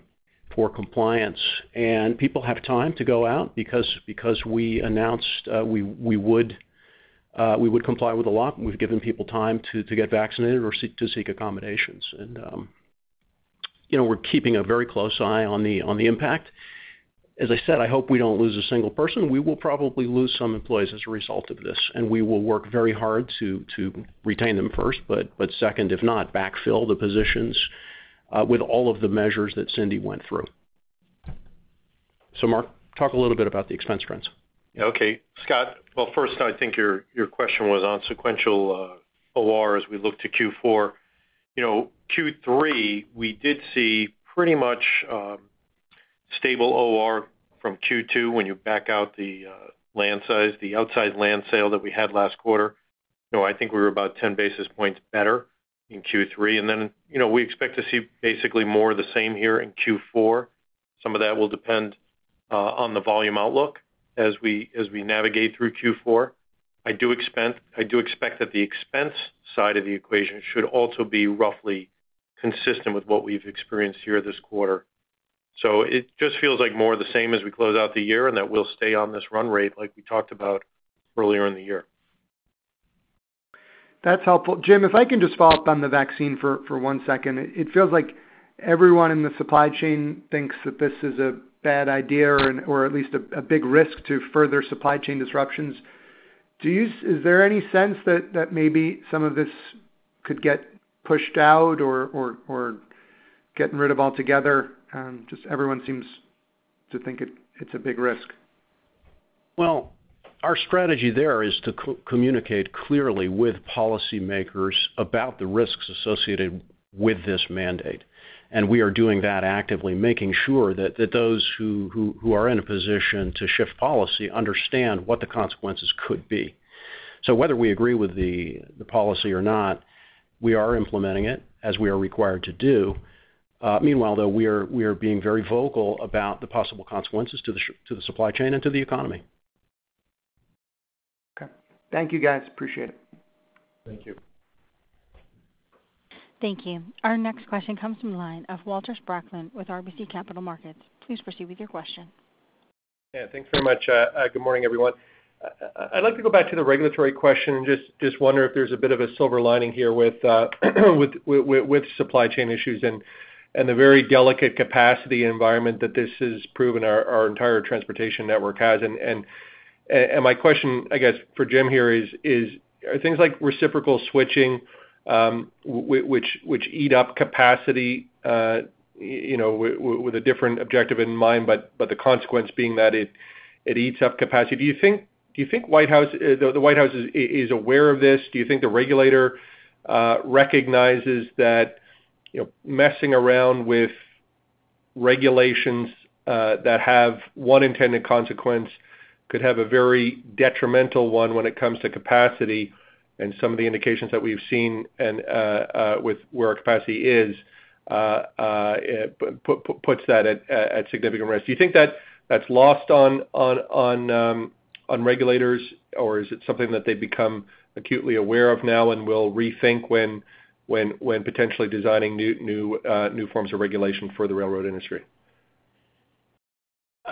for compliance. People have time to go out because we announced we would comply with the law, and we've given people time to get vaccinated or seek accommodations. You know, we're keeping a very close eye on the impact. As I said, I hope we don't lose a single person. We will probably lose some employees as a result of this, and we will work very hard to retain them first, but second, if not, backfill the positions with all of the measures that Cindy went through. Mark, talk a little bit about the expense trends. Okay, Scott. Well, first, I think your question was on sequential OR as we look to Q4. You know, Q3, we did see pretty much stable OR from Q2 when you back out the land sale, the outside land sale that we had last quarter. You know, I think we were about ten basis points better in Q3. Then, you know, we expect to see basically more of the same here in Q4. Some of that will depend on the volume outlook as we navigate through Q4. I do expect that the expense side of the equation should also be roughly consistent with what we've experienced here this quarter. It just feels like more of the same as we close out the year and that we'll stay on this run rate like we talked about earlier in the year. That's helpful. Jim, if I can just follow up on the vaccine for one second. It feels like everyone in the supply chain thinks that this is a bad idea or at least a big risk to further supply chain disruptions. Is there any sense that maybe some of this could get pushed out or gotten rid of altogether? Just everyone seems to think it's a big risk. Well, our strategy there is to communicate clearly with policymakers about the risks associated with this mandate. We are doing that actively, making sure that those who are in a position to shift policy understand what the consequences could be. Whether we agree with the policy or not, we are implementing it as we are required to do. Meanwhile, though, we are being very vocal about the possible consequences to the supply chain and to the economy. Okay. Thank you guys. Appreciate it. Thank you. Thank you. Our next question comes from the line of Walter Spracklin with RBC Capital Markets. Please proceed with your question. Yeah, thanks very much. Good morning, everyone. I'd like to go back to the regulatory question and just wonder if there's a bit of a silver lining here with supply chain issues and the very delicate capacity environment that this has proven our entire transportation network has. My question, I guess, for Jim here is, are things like reciprocal switching, which eat up capacity, you know, with a different objective in mind, but the consequence being that it eats up capacity. Do you think the White House is aware of this? Do you think the regulator recognizes that, you know, messing around with regulations that have one intended consequence could have a very detrimental one when it comes to capacity and some of the indications that we've seen and with where our capacity is puts that at significant risk? Do you think that that's lost on regulators, or is it something that they've become acutely aware of now and will rethink when potentially designing new forms of regulation for the railroad industry?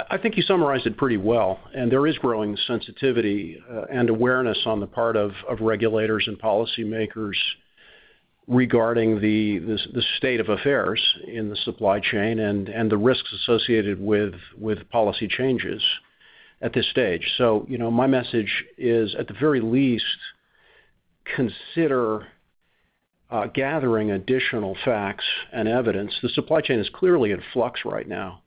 I think you summarized it pretty well, and there is growing sensitivity and awareness on the part of regulators and policymakers regarding the state of affairs in the supply chain and the risks associated with policy changes at this stage. You know, my message is, at the very least, consider gathering additional facts and evidence. The supply chain is clearly in flux right now.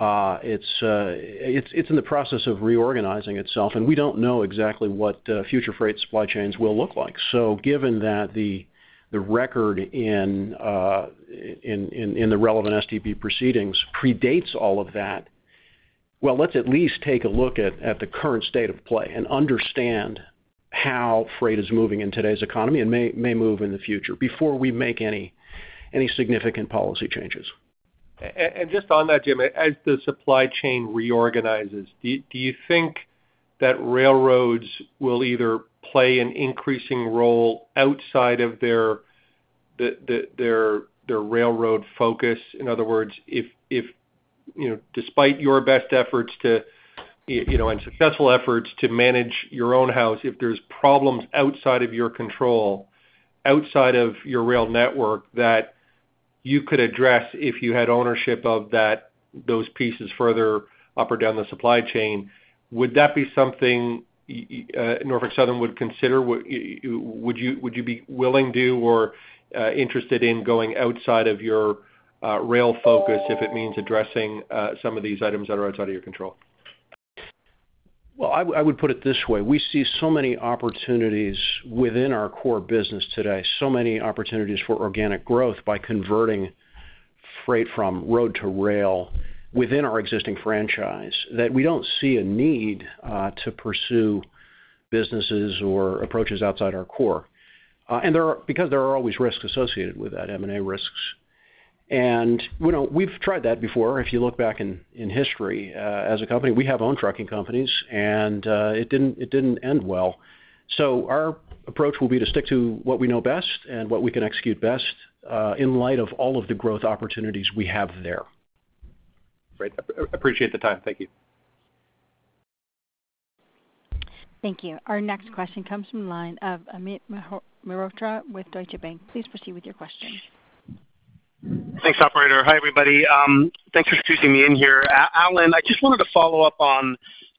It's in the process of reorganizing itself, and we don't know exactly what future freight supply chains will look like. Given that the record in the relevant STB proceedings predates all of that, well, let's at least take a look at the current state of play and understand how freight is moving in today's economy and may move in the future before we make any significant policy changes. Just on that, Jim, as the supply chain reorganizes, do you think that railroads will either play an increasing role outside of their railroad focus? In other words, if you know, despite your best efforts to you know, and successful efforts to manage your own house, if there's problems outside of your control, outside of your rail network that you could address if you had ownership of those pieces further up or down the supply chain, would that be something Norfolk Southern would consider? Would you be willing to or interested in going outside of your rail focus if it means addressing some of these items that are outside of your control? Well, I would put it this way. We see so many opportunities within our core business today, so many opportunities for organic growth by converting freight from road to rail within our existing franchise, that we don't see a need to pursue businesses or approaches outside our core. Because there are always risks associated with that, M&A risks. You know, we've tried that before. If you look back in history, as a company, we have owned trucking companies, and it didn't end well. Our approach will be to stick to what we know best and what we can execute best, in light of all of the growth opportunities we have there. Great. I appreciate the time. Thank you. Thank you. Our next question comes from the line of Amit Mehrotra with Deutsche Bank. Please proceed with your question. Thanks, operator. Hi, everybody. Thanks for squeezing me in here. Alan, I just wanted to follow up on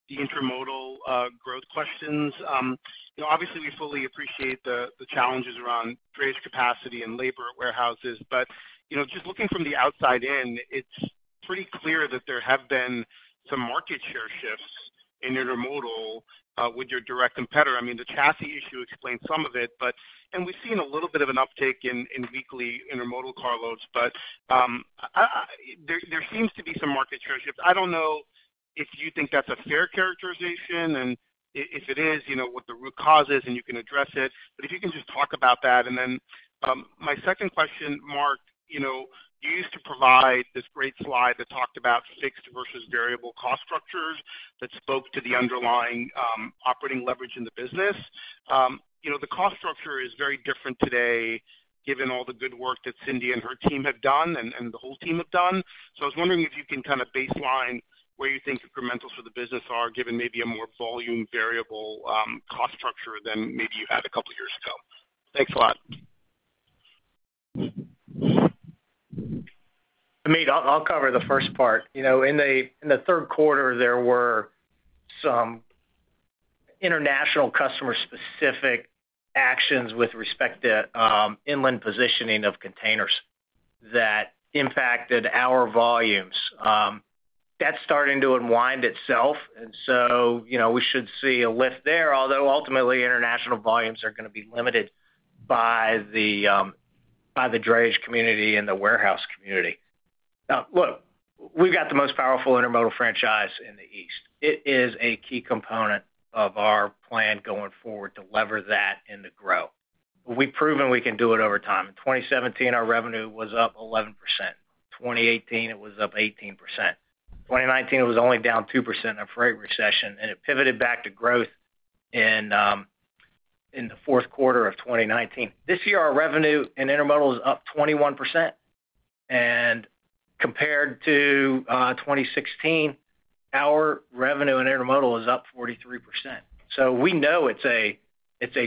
the intermodal growth questions. You know, obviously, we fully appreciate the challenges around drayage capacity and labor at warehouses. You know, just looking from the outside in, it's pretty clear that there have been some market share shifts in intermodal with your direct competitor. I mean, the chassis issue explains some of it, but we've seen a little bit of an uptick in weekly intermodal carloads. There seems to be some market share shifts. I don't know if you think that's a fair characterization, and if it is, you know, what the root cause is, and you can address it. If you can just talk about that. My second question, Mark, you know, you used to provide this great slide that talked about fixed versus variable cost structures that spoke to the underlying operating leverage in the business. You know, the cost structure is very different today, given all the good work that Cindy and her team have done and the whole team have done. I was wondering if you can kind of baseline where you think incrementals for the business are, given maybe a more volume variable cost structure than maybe you had a couple of years ago. Thanks a lot. Amit, I'll cover the first part. You know, in the third quarter, there were some international customer specific actions with respect to inland positioning of containers that impacted our volumes. That's starting to unwind itself. You know, we should see a lift there, although ultimately international volumes are gonna be limited by the drayage community and the warehouse community. Now, look, we've got the most powerful intermodal franchise in the East. It is a key component of our plan going forward to lever that and to grow. We've proven we can do it over time. In 2017, our revenue was up 11%. In 2018, it was up 18%. In 2019, it was only down 2% in a freight recession, and it pivoted back to growth in the fourth quarter of 2019. This year, our revenue in intermodal is up 21%. Compared to 2016, our revenue in intermodal is up 43%. We know it's a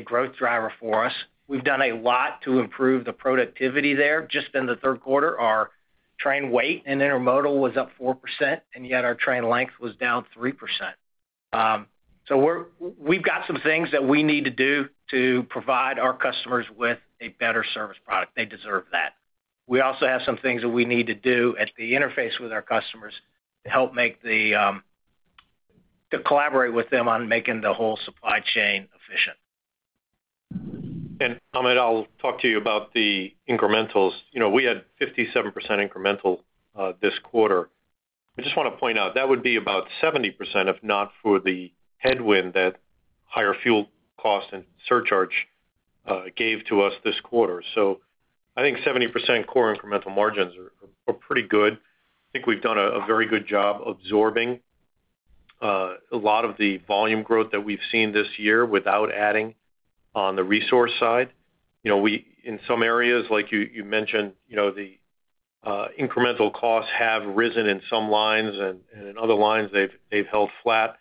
growth driver for us. We've done a lot to improve the productivity there. Just in the third quarter, our train weight in intermodal was up 4%, and yet our train length was down 3%. We've got some things that we need to do to provide our customers with a better service product. They deserve that. We also have some things that we need to do at the interface with our customers to collaborate with them on making the whole supply chain efficient. Amit, I'll talk to you about the incrementals. You know, we had 57% incremental this quarter. I just wanna point out, that would be about 70% if not for the headwind that higher fuel costs and surcharge gave to us this quarter. I think 70% core incremental margins are pretty good. I think we've done a very good job absorbing a lot of the volume growth that we've seen this year without adding on the resource side. You know, in some areas, like you mentioned, you know, the incremental costs have risen in some lines, and in other lines, they've held flat.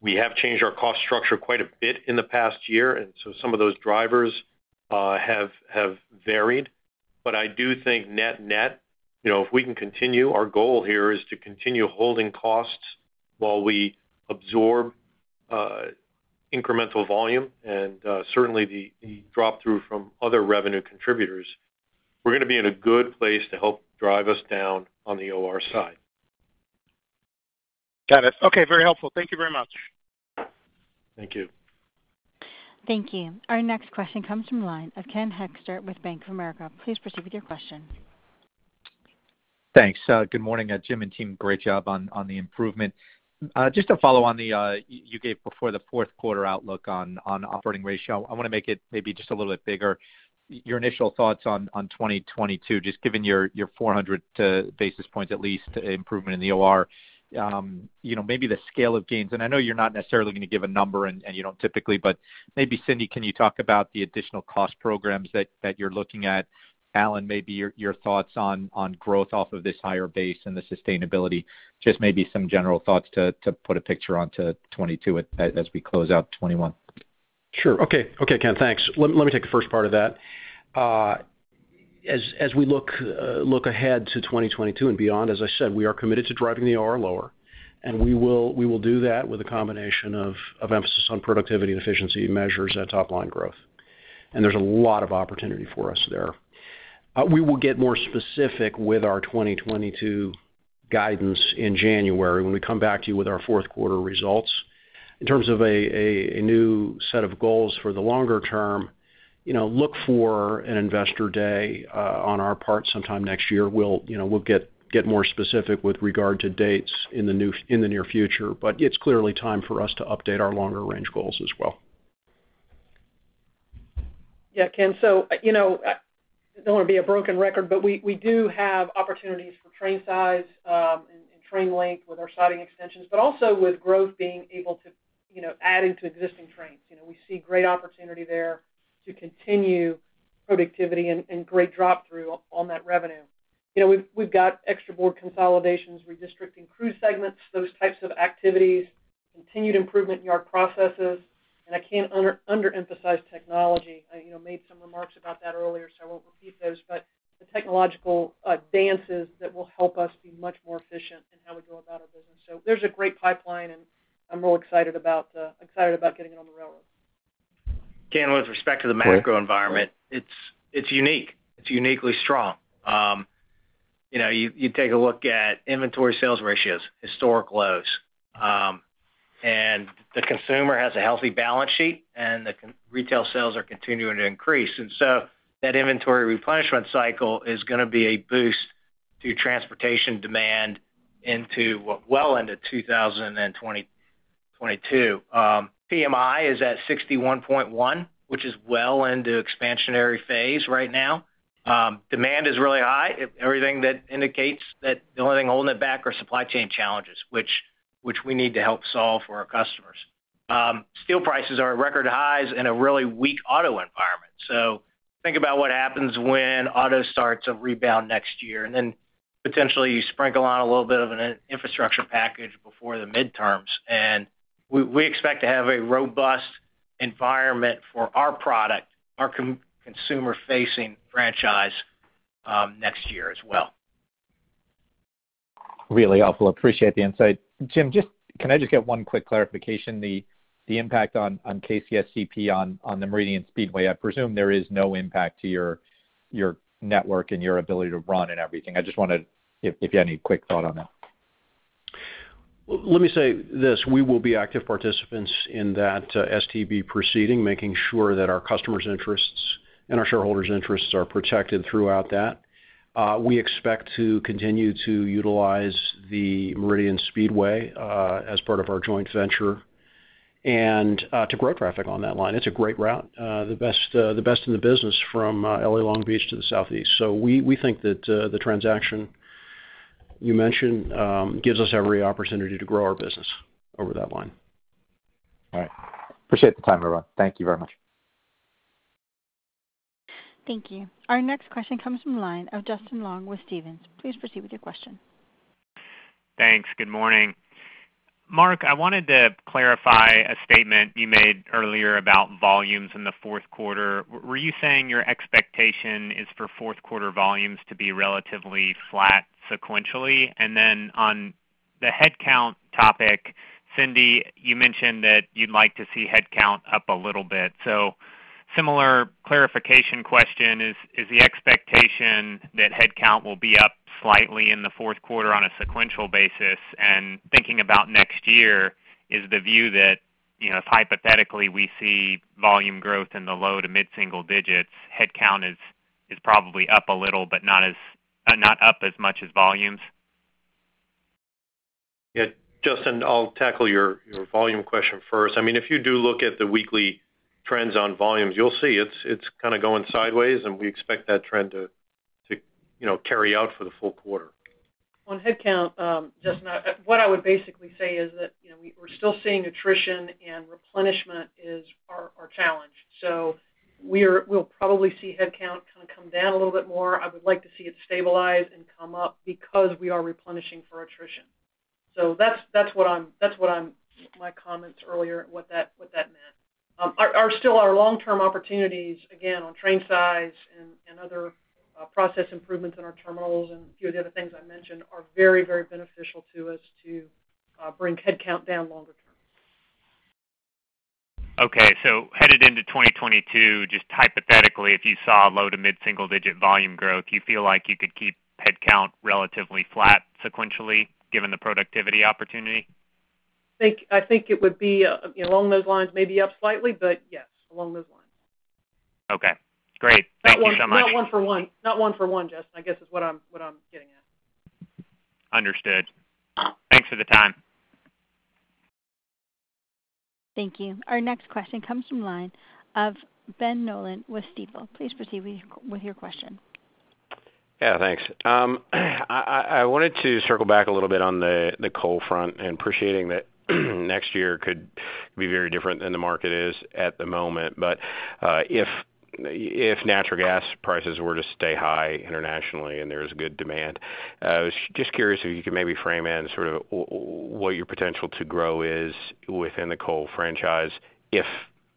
We have changed our cost structure quite a bit in the past year, and so some of those drivers have varied. I do think net-net, you know, if we can continue, our goal here is to continue holding costs while we absorb incremental volume and certainly the drop-through from other revenue contributors. We're gonna be in a good place to help drive us down on the OR side. Got it. Okay, very helpful. Thank you very much. Thank you. Thank you. Our next question comes from the line of Ken Hoexter with Bank of America. Please proceed with your question. Thanks. Good morning, Jim and team. Great job on the improvement. Just to follow on the you gave before the fourth quarter outlook on operating ratio. I wanna make it maybe just a little bit bigger. Your initial thoughts on 2022, just given your 400 basis points at least improvement in the OR. You know, maybe the scale of gains. I know you're not necessarily gonna give a number and you don't typically, but maybe, Cindy, can you talk about the additional cost programs that you're looking at? Alan, maybe your thoughts on growth off of this higher base and the sustainability. Just maybe some general thoughts to put a picture onto 2022 as we close out 2021. Sure. Okay. Okay, Ken, thanks. Let me take the first part of that. As we look ahead to 2022 and beyond, as I said, we are committed to driving the OR lower, and we will do that with a combination of emphasis on productivity and efficiency measures and top line growth. There's a lot of opportunity for us there. We will get more specific with our 2022 guidance in January when we come back to you with our fourth quarter results. In terms of a new set of goals for the longer term, you know, look for an investor day on our part sometime next year. We'll, you know, we'll get more specific with regard to dates in the near future, but it's clearly time for us to update our longer range goals as well. Yeah, Ken. You know, I don't wanna be a broken record, but we do have opportunities for train size and train length with our siding extensions, but also with growth being able to, you know, adding to existing trains. You know, we see great opportunity there to continue productivity and great drop-through on that revenue. You know, we've got extra board consolidations, redistricting crew segments, those types of activities, continued improvement in yard processes, and I can't underemphasize technology. You know, I made some remarks about that earlier, so I won't repeat those. But the technological advances that will help us be much more efficient in how we go about our business. So there's a great pipeline, and I'm real excited about getting it on the railroad. Ken, with respect to the macro environment, it's unique. It's uniquely strong. You take a look at inventory sales ratios, historic lows. The consumer has a healthy balance sheet, and retail sales are continuing to increase. That inventory replenishment cycle is gonna be a boost to transportation demand into 2022. PMI is at 61.1, which is well into expansionary phase right now. Demand is really high. Everything that indicates that the only thing holding it back are supply chain challenges, which we need to help solve for our customers. Steel prices are at record highs in a really weak auto environment. Think about what happens when auto starts a rebound next year, and then potentially you sprinkle on a little bit of an infrastructure package before the midterms, and we expect to have a robust environment for our product, our consumer-facing franchise, next year as well. Really helpful. Appreciate the insight. Jim, can I just get one quick clarification? The impact on CP/KCS on the Meridian Speedway, I presume there is no impact to your network and your ability to run and everything. I just wonder if you had any quick thought on that. Let me say this, we will be active participants in that STB proceeding, making sure that our customers' interests and our shareholders' interests are protected throughout that. We expect to continue to utilize the Meridian Speedway as part of our joint venture and to grow traffic on that line. It's a great route, the best in the business from L.A. Long Beach to the southeast. We think that the transaction you mentioned gives us every opportunity to grow our business over that line. All right. Appreciate the time, everyone. Thank you very much. Thank you. Our next question comes from the line of Justin Long with Stephens. Please proceed with your question. Thanks. Good morning. Mark, I wanted to clarify a statement you made earlier about volumes in the fourth quarter. Were you saying your expectation is for fourth quarter volumes to be relatively flat sequentially? Then on the headcount topic, Cindy Sanborn, you mentioned that you'd like to see headcount up a little bit. Similar clarification question, is the expectation that headcount will be up slightly in the fourth quarter on a sequential basis? Thinking about next year, is the view that, you know, if hypothetically we see volume growth in the low- to mid-single digits, headcount is probably up a little, but not up as much as volumes? Yeah, Justin, I'll tackle your volume question first. I mean, if you do look at the weekly trends on volumes, you'll see it's kind of going sideways, and we expect that trend to you know carry out for the full quarter. On headcount, Justin, what I would basically say is that, you know, we're still seeing attrition and replenishment are challenged. We'll probably see headcount kind of come down a little bit more. I would like to see it stabilize and come up because we are replenishing for attrition. That's what my comments earlier meant. Still, our long-term opportunities, again, on train size and other process improvements in our terminals and a few of the other things I mentioned are very, very beneficial to us to bring headcount down longer term. Okay. Headed into 2022, just hypothetically, if you saw low- to mid-single-digit volume growth, do you feel like you could keep headcount relatively flat sequentially given the productivity opportunity? I think it would be, you know, along those lines, maybe up slightly, but yes, along those lines. Okay, great. Thank you so much. Not one for one. Not one for one, Justin, I guess is what I'm getting at. Understood. Thanks for the time. Thank you. Our next question comes from the line of Ben Nolan with Stifel. Please proceed with your question. Yeah, thanks. I wanted to circle back a little bit on the coal front and appreciating that next year could be very different than the market is at the moment. If natural gas prices were to stay high internationally and there's good demand, just curious if you could maybe frame in sort of what your potential to grow is within the coal franchise if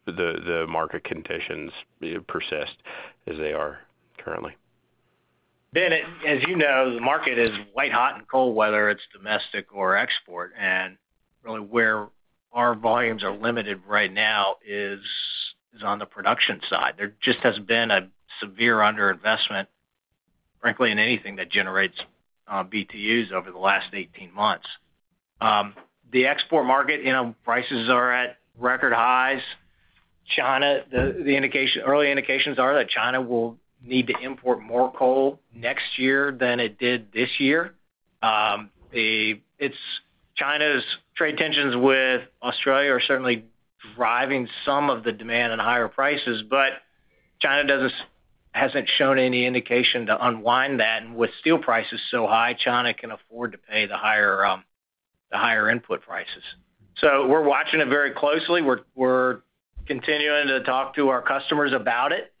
the market conditions, you know, persist as they are currently. Ben, as you know, the market is white hot in coal, whether it's domestic or export. Really where our volumes are limited right now is on the production side. There just has been a severe underinvestment, frankly, in anything that generates BTUs over the last 18 months. The export market, you know, prices are at record highs. China, early indications are that China will need to import more coal next year than it did this year. China's trade tensions with Australia are certainly driving some of the demand at higher prices, but China hasn't shown any indication to unwind that. With steel prices so high, China can afford to pay the higher input prices. We're watching it very closely. We're continuing to talk to our customers about it.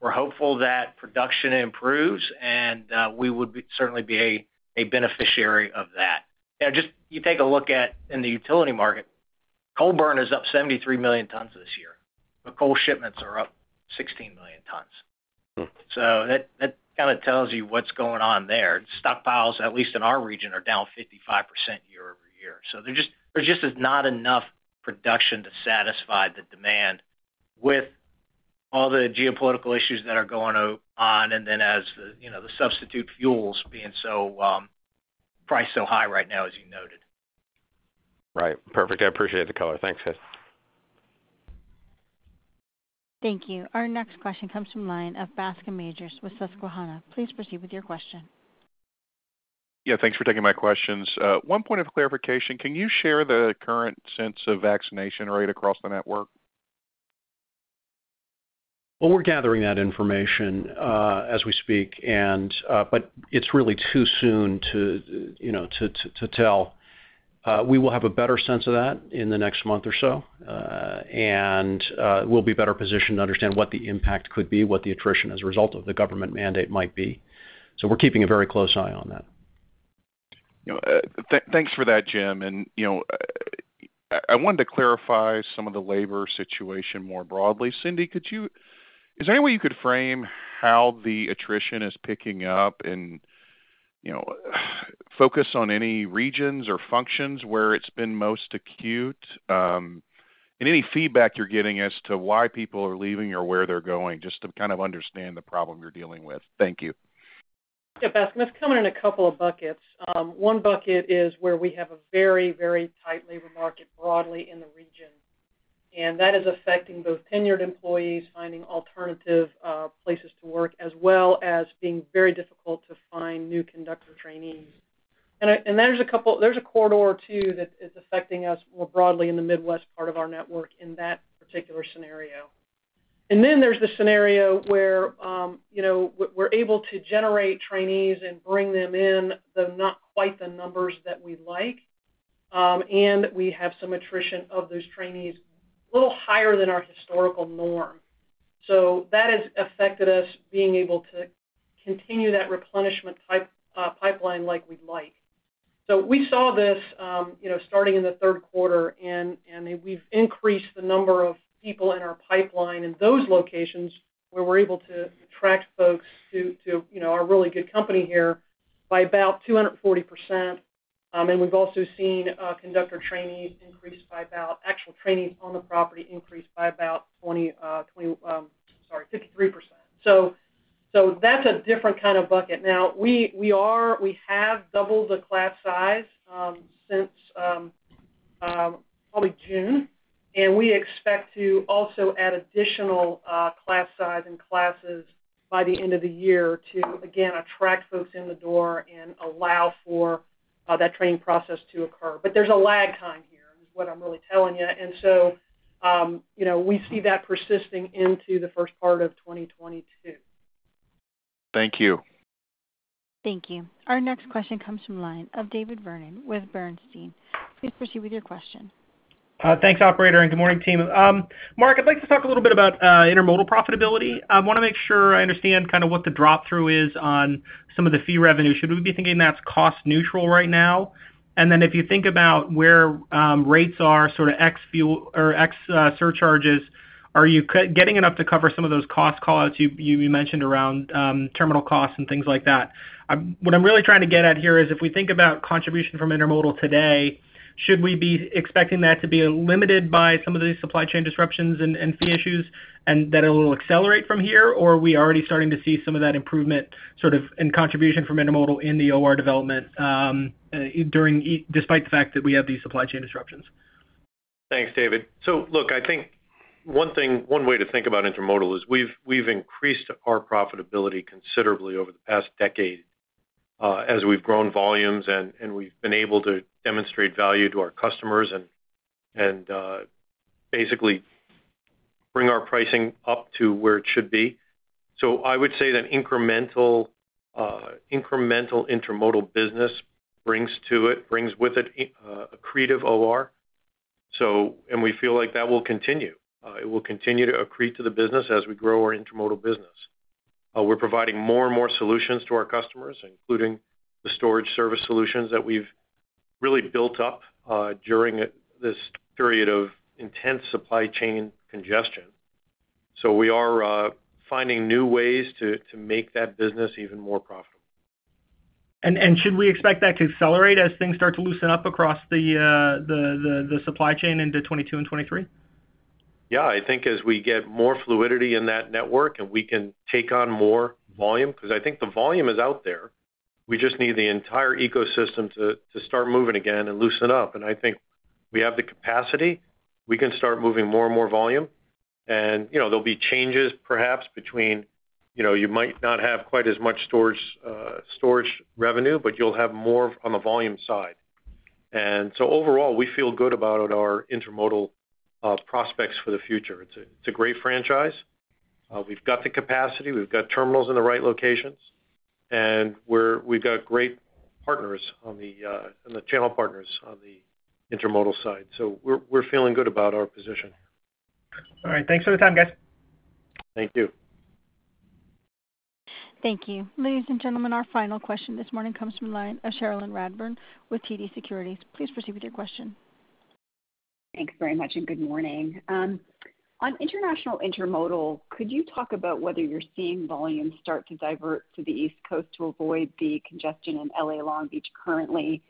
We're hopeful that production improves, and we would certainly be a beneficiary of that. Now, just you take a look at the utility market, coal burn is up 73 million tons this year, but coal shipments are up 16 million tons. That kind of tells you what's going on there. Stockpiles, at least in our region, are down 55% year-over-year. There just is not enough production to satisfy the demand with all the geopolitical issues that are going on, and then, as you know, the substitute fuels being so priced so high right now, as you noted. Right. Perfect. I appreciate the color. Thanks, Alan. Thank you. Our next question comes from line of Bascome Majors with Susquehanna. Please proceed with your question. Yeah, thanks for taking my questions. One point of clarification, can you share the current sense of vaccination rate across the network? Well, we're gathering that information as we speak and, but it's really too soon to, you know, to tell. We will have a better sense of that in the next month or so. We'll be better positioned to understand what the impact could be, what the attrition as a result of the government mandate might be. We're keeping a very close eye on that. You know, thanks for that, Jim. You know, I wanted to clarify some of the labor situation more broadly. Cindy, is there any way you could frame how the attrition is picking up and, you know, focus on any regions or functions where it's been most acute, and any feedback you're getting as to why people are leaving or where they're going, just to kind of understand the problem you're dealing with. Thank you. Yeah, Bascome, it's come in a couple of buckets. One bucket is where we have a very, very tight labor market broadly in the region, and that is affecting both tenured employees finding alternative places to work, as well as being very difficult to find new conductor trainees. There's a corridor too that is affecting us more broadly in the Midwest part of our network in that particular scenario. Then there's the scenario where, you know, we're able to generate trainees and bring them in, though not quite the numbers that we'd like, and we have some attrition of those trainees, a little higher than our historical norm. That has affected us being able to continue that replenishment pipeline like we'd like. We saw this you know starting in the third quarter and we've increased the number of people in our pipeline in those locations where we're able to attract folks to you know our really good company here by about 240%. We've also seen actual trainees on the property increase by about 53%. That's a different kind of bucket. Now we have doubled the class size since probably June and we expect to also add additional class size and classes by the end of the year to again attract folks in the door and allow for that training process to occur. There's a lag time here, is what I'm really telling you. You know, we see that persisting into the first part of 2022. Thank you. Thank you. Our next question comes from the line of David Vernon with Bernstein. Please proceed with your question. Thanks, operator, and good morning, team. Mark, I'd like to talk a little bit about intermodal profitability. I wanna make sure I understand kind of what the drop-through is on some of the fee revenue. Should we be thinking that's cost neutral right now? If you think about where rates are sort of ex-fuel or ex surcharges, are you getting enough to cover some of those cost call-outs you mentioned around terminal costs and things like that? What I'm really trying to get at here is, if we think about contribution from intermodal today, should we be expecting that to be limited by some of these supply chain disruptions and fee issues, and that it will accelerate from here, or are we already starting to see some of that improvement sort of in contribution from intermodal in the OR development, despite the fact that we have these supply chain disruptions? Thanks, David. Look, I think one way to think about intermodal is we've increased our profitability considerably over the past decade, as we've grown volumes and we've been able to demonstrate value to our customers and basically bring our pricing up to where it should be. I would say that incremental intermodal business brings with it accretive OR. We feel like that will continue. It will continue to accrete to the business as we grow our intermodal business. We're providing more and more solutions to our customers, including the storage service solutions that we've really built up during this period of intense supply chain congestion. We are finding new ways to make that business even more profitable. Should we expect that to accelerate as things start to loosen up across the supply chain into 2022 and 2023? Yeah. I think as we get more fluidity in that network, and we can take on more volume, 'cause I think the volume is out there, we just need the entire ecosystem to start moving again and loosen up. I think we have the capacity. We can start moving more and more volume. You know, there'll be changes perhaps between, you know, you might not have quite as much storage revenue, but you'll have more on the volume side. Overall, we feel good about our intermodal prospects for the future. It's a great franchise. We've got the capacity, we've got terminals in the right locations, and we've got great partners on the channel partners on the intermodal side. We're feeling good about our position. All right, thanks for the time, guys. Thank you. Thank you. Ladies and gentlemen, our final question this morning comes from the line of Cherilyn Radbourne with TD Securities. Please proceed with your question. Thanks very much, and good morning. On international intermodal, could you talk about whether you're seeing volumes start to divert to the East Coast to avoid the congestion in L.A. Long Beach currently,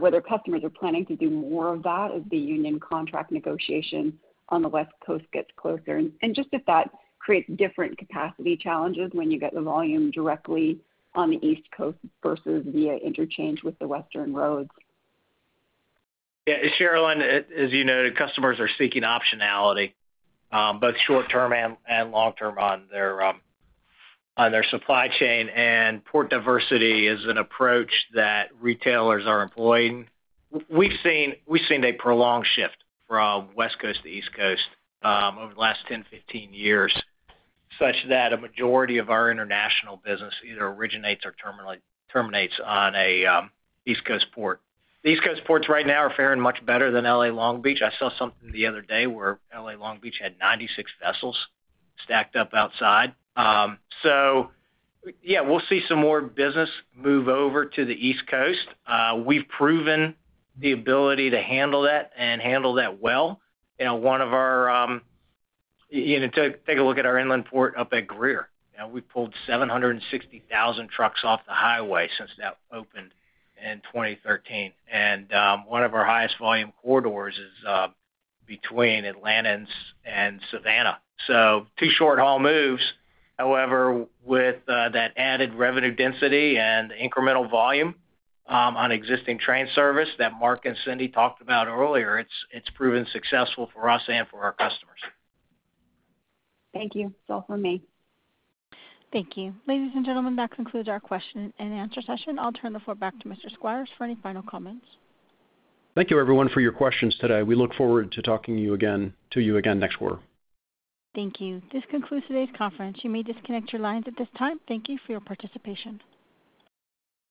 whether customers are planning to do more of that as the union contract negotiation on the West Coast gets closer? Just if that creates different capacity challenges when you get the volume directly on the East Coast versus via interchange with the Western roads. Yeah, Cherilyn, as you noted, customers are seeking optionality, both short-term and long-term on their supply chain. Port diversity is an approach that retailers are employing. We've seen a prolonged shift from West Coast to East Coast over the last 10, 15 years, such that a majority of our international business either originates or terminates on a East Coast port. The East Coast ports right now are faring much better than L.A. Long Beach. I saw something the other day where L.A. Long Beach had 96 vessels stacked up outside. We'll see some more business move over to the East Coast. We've proven the ability to handle that and handle that well. You know, one of our. You know, take a look at our inland port up at Greer. You know, we pulled 760,000 trucks off the highway since that opened in 2013. One of our highest volume corridors is between Atlanta and Savannah. Two short-haul moves. However, with that added revenue density and incremental volume on existing train service that Mark and Cindy talked about earlier, it's proven successful for us and for our customers. Thank you. That's all for me. Thank you. Ladies and gentlemen, that concludes our question-and-answer session. I'll turn the floor back to Mr. Squires for any final comments. Thank you everyone for your questions today. We look forward to talking to you again next quarter. Thank you. This concludes today's conference. You may disconnect your lines at this time. Thank you for your participation.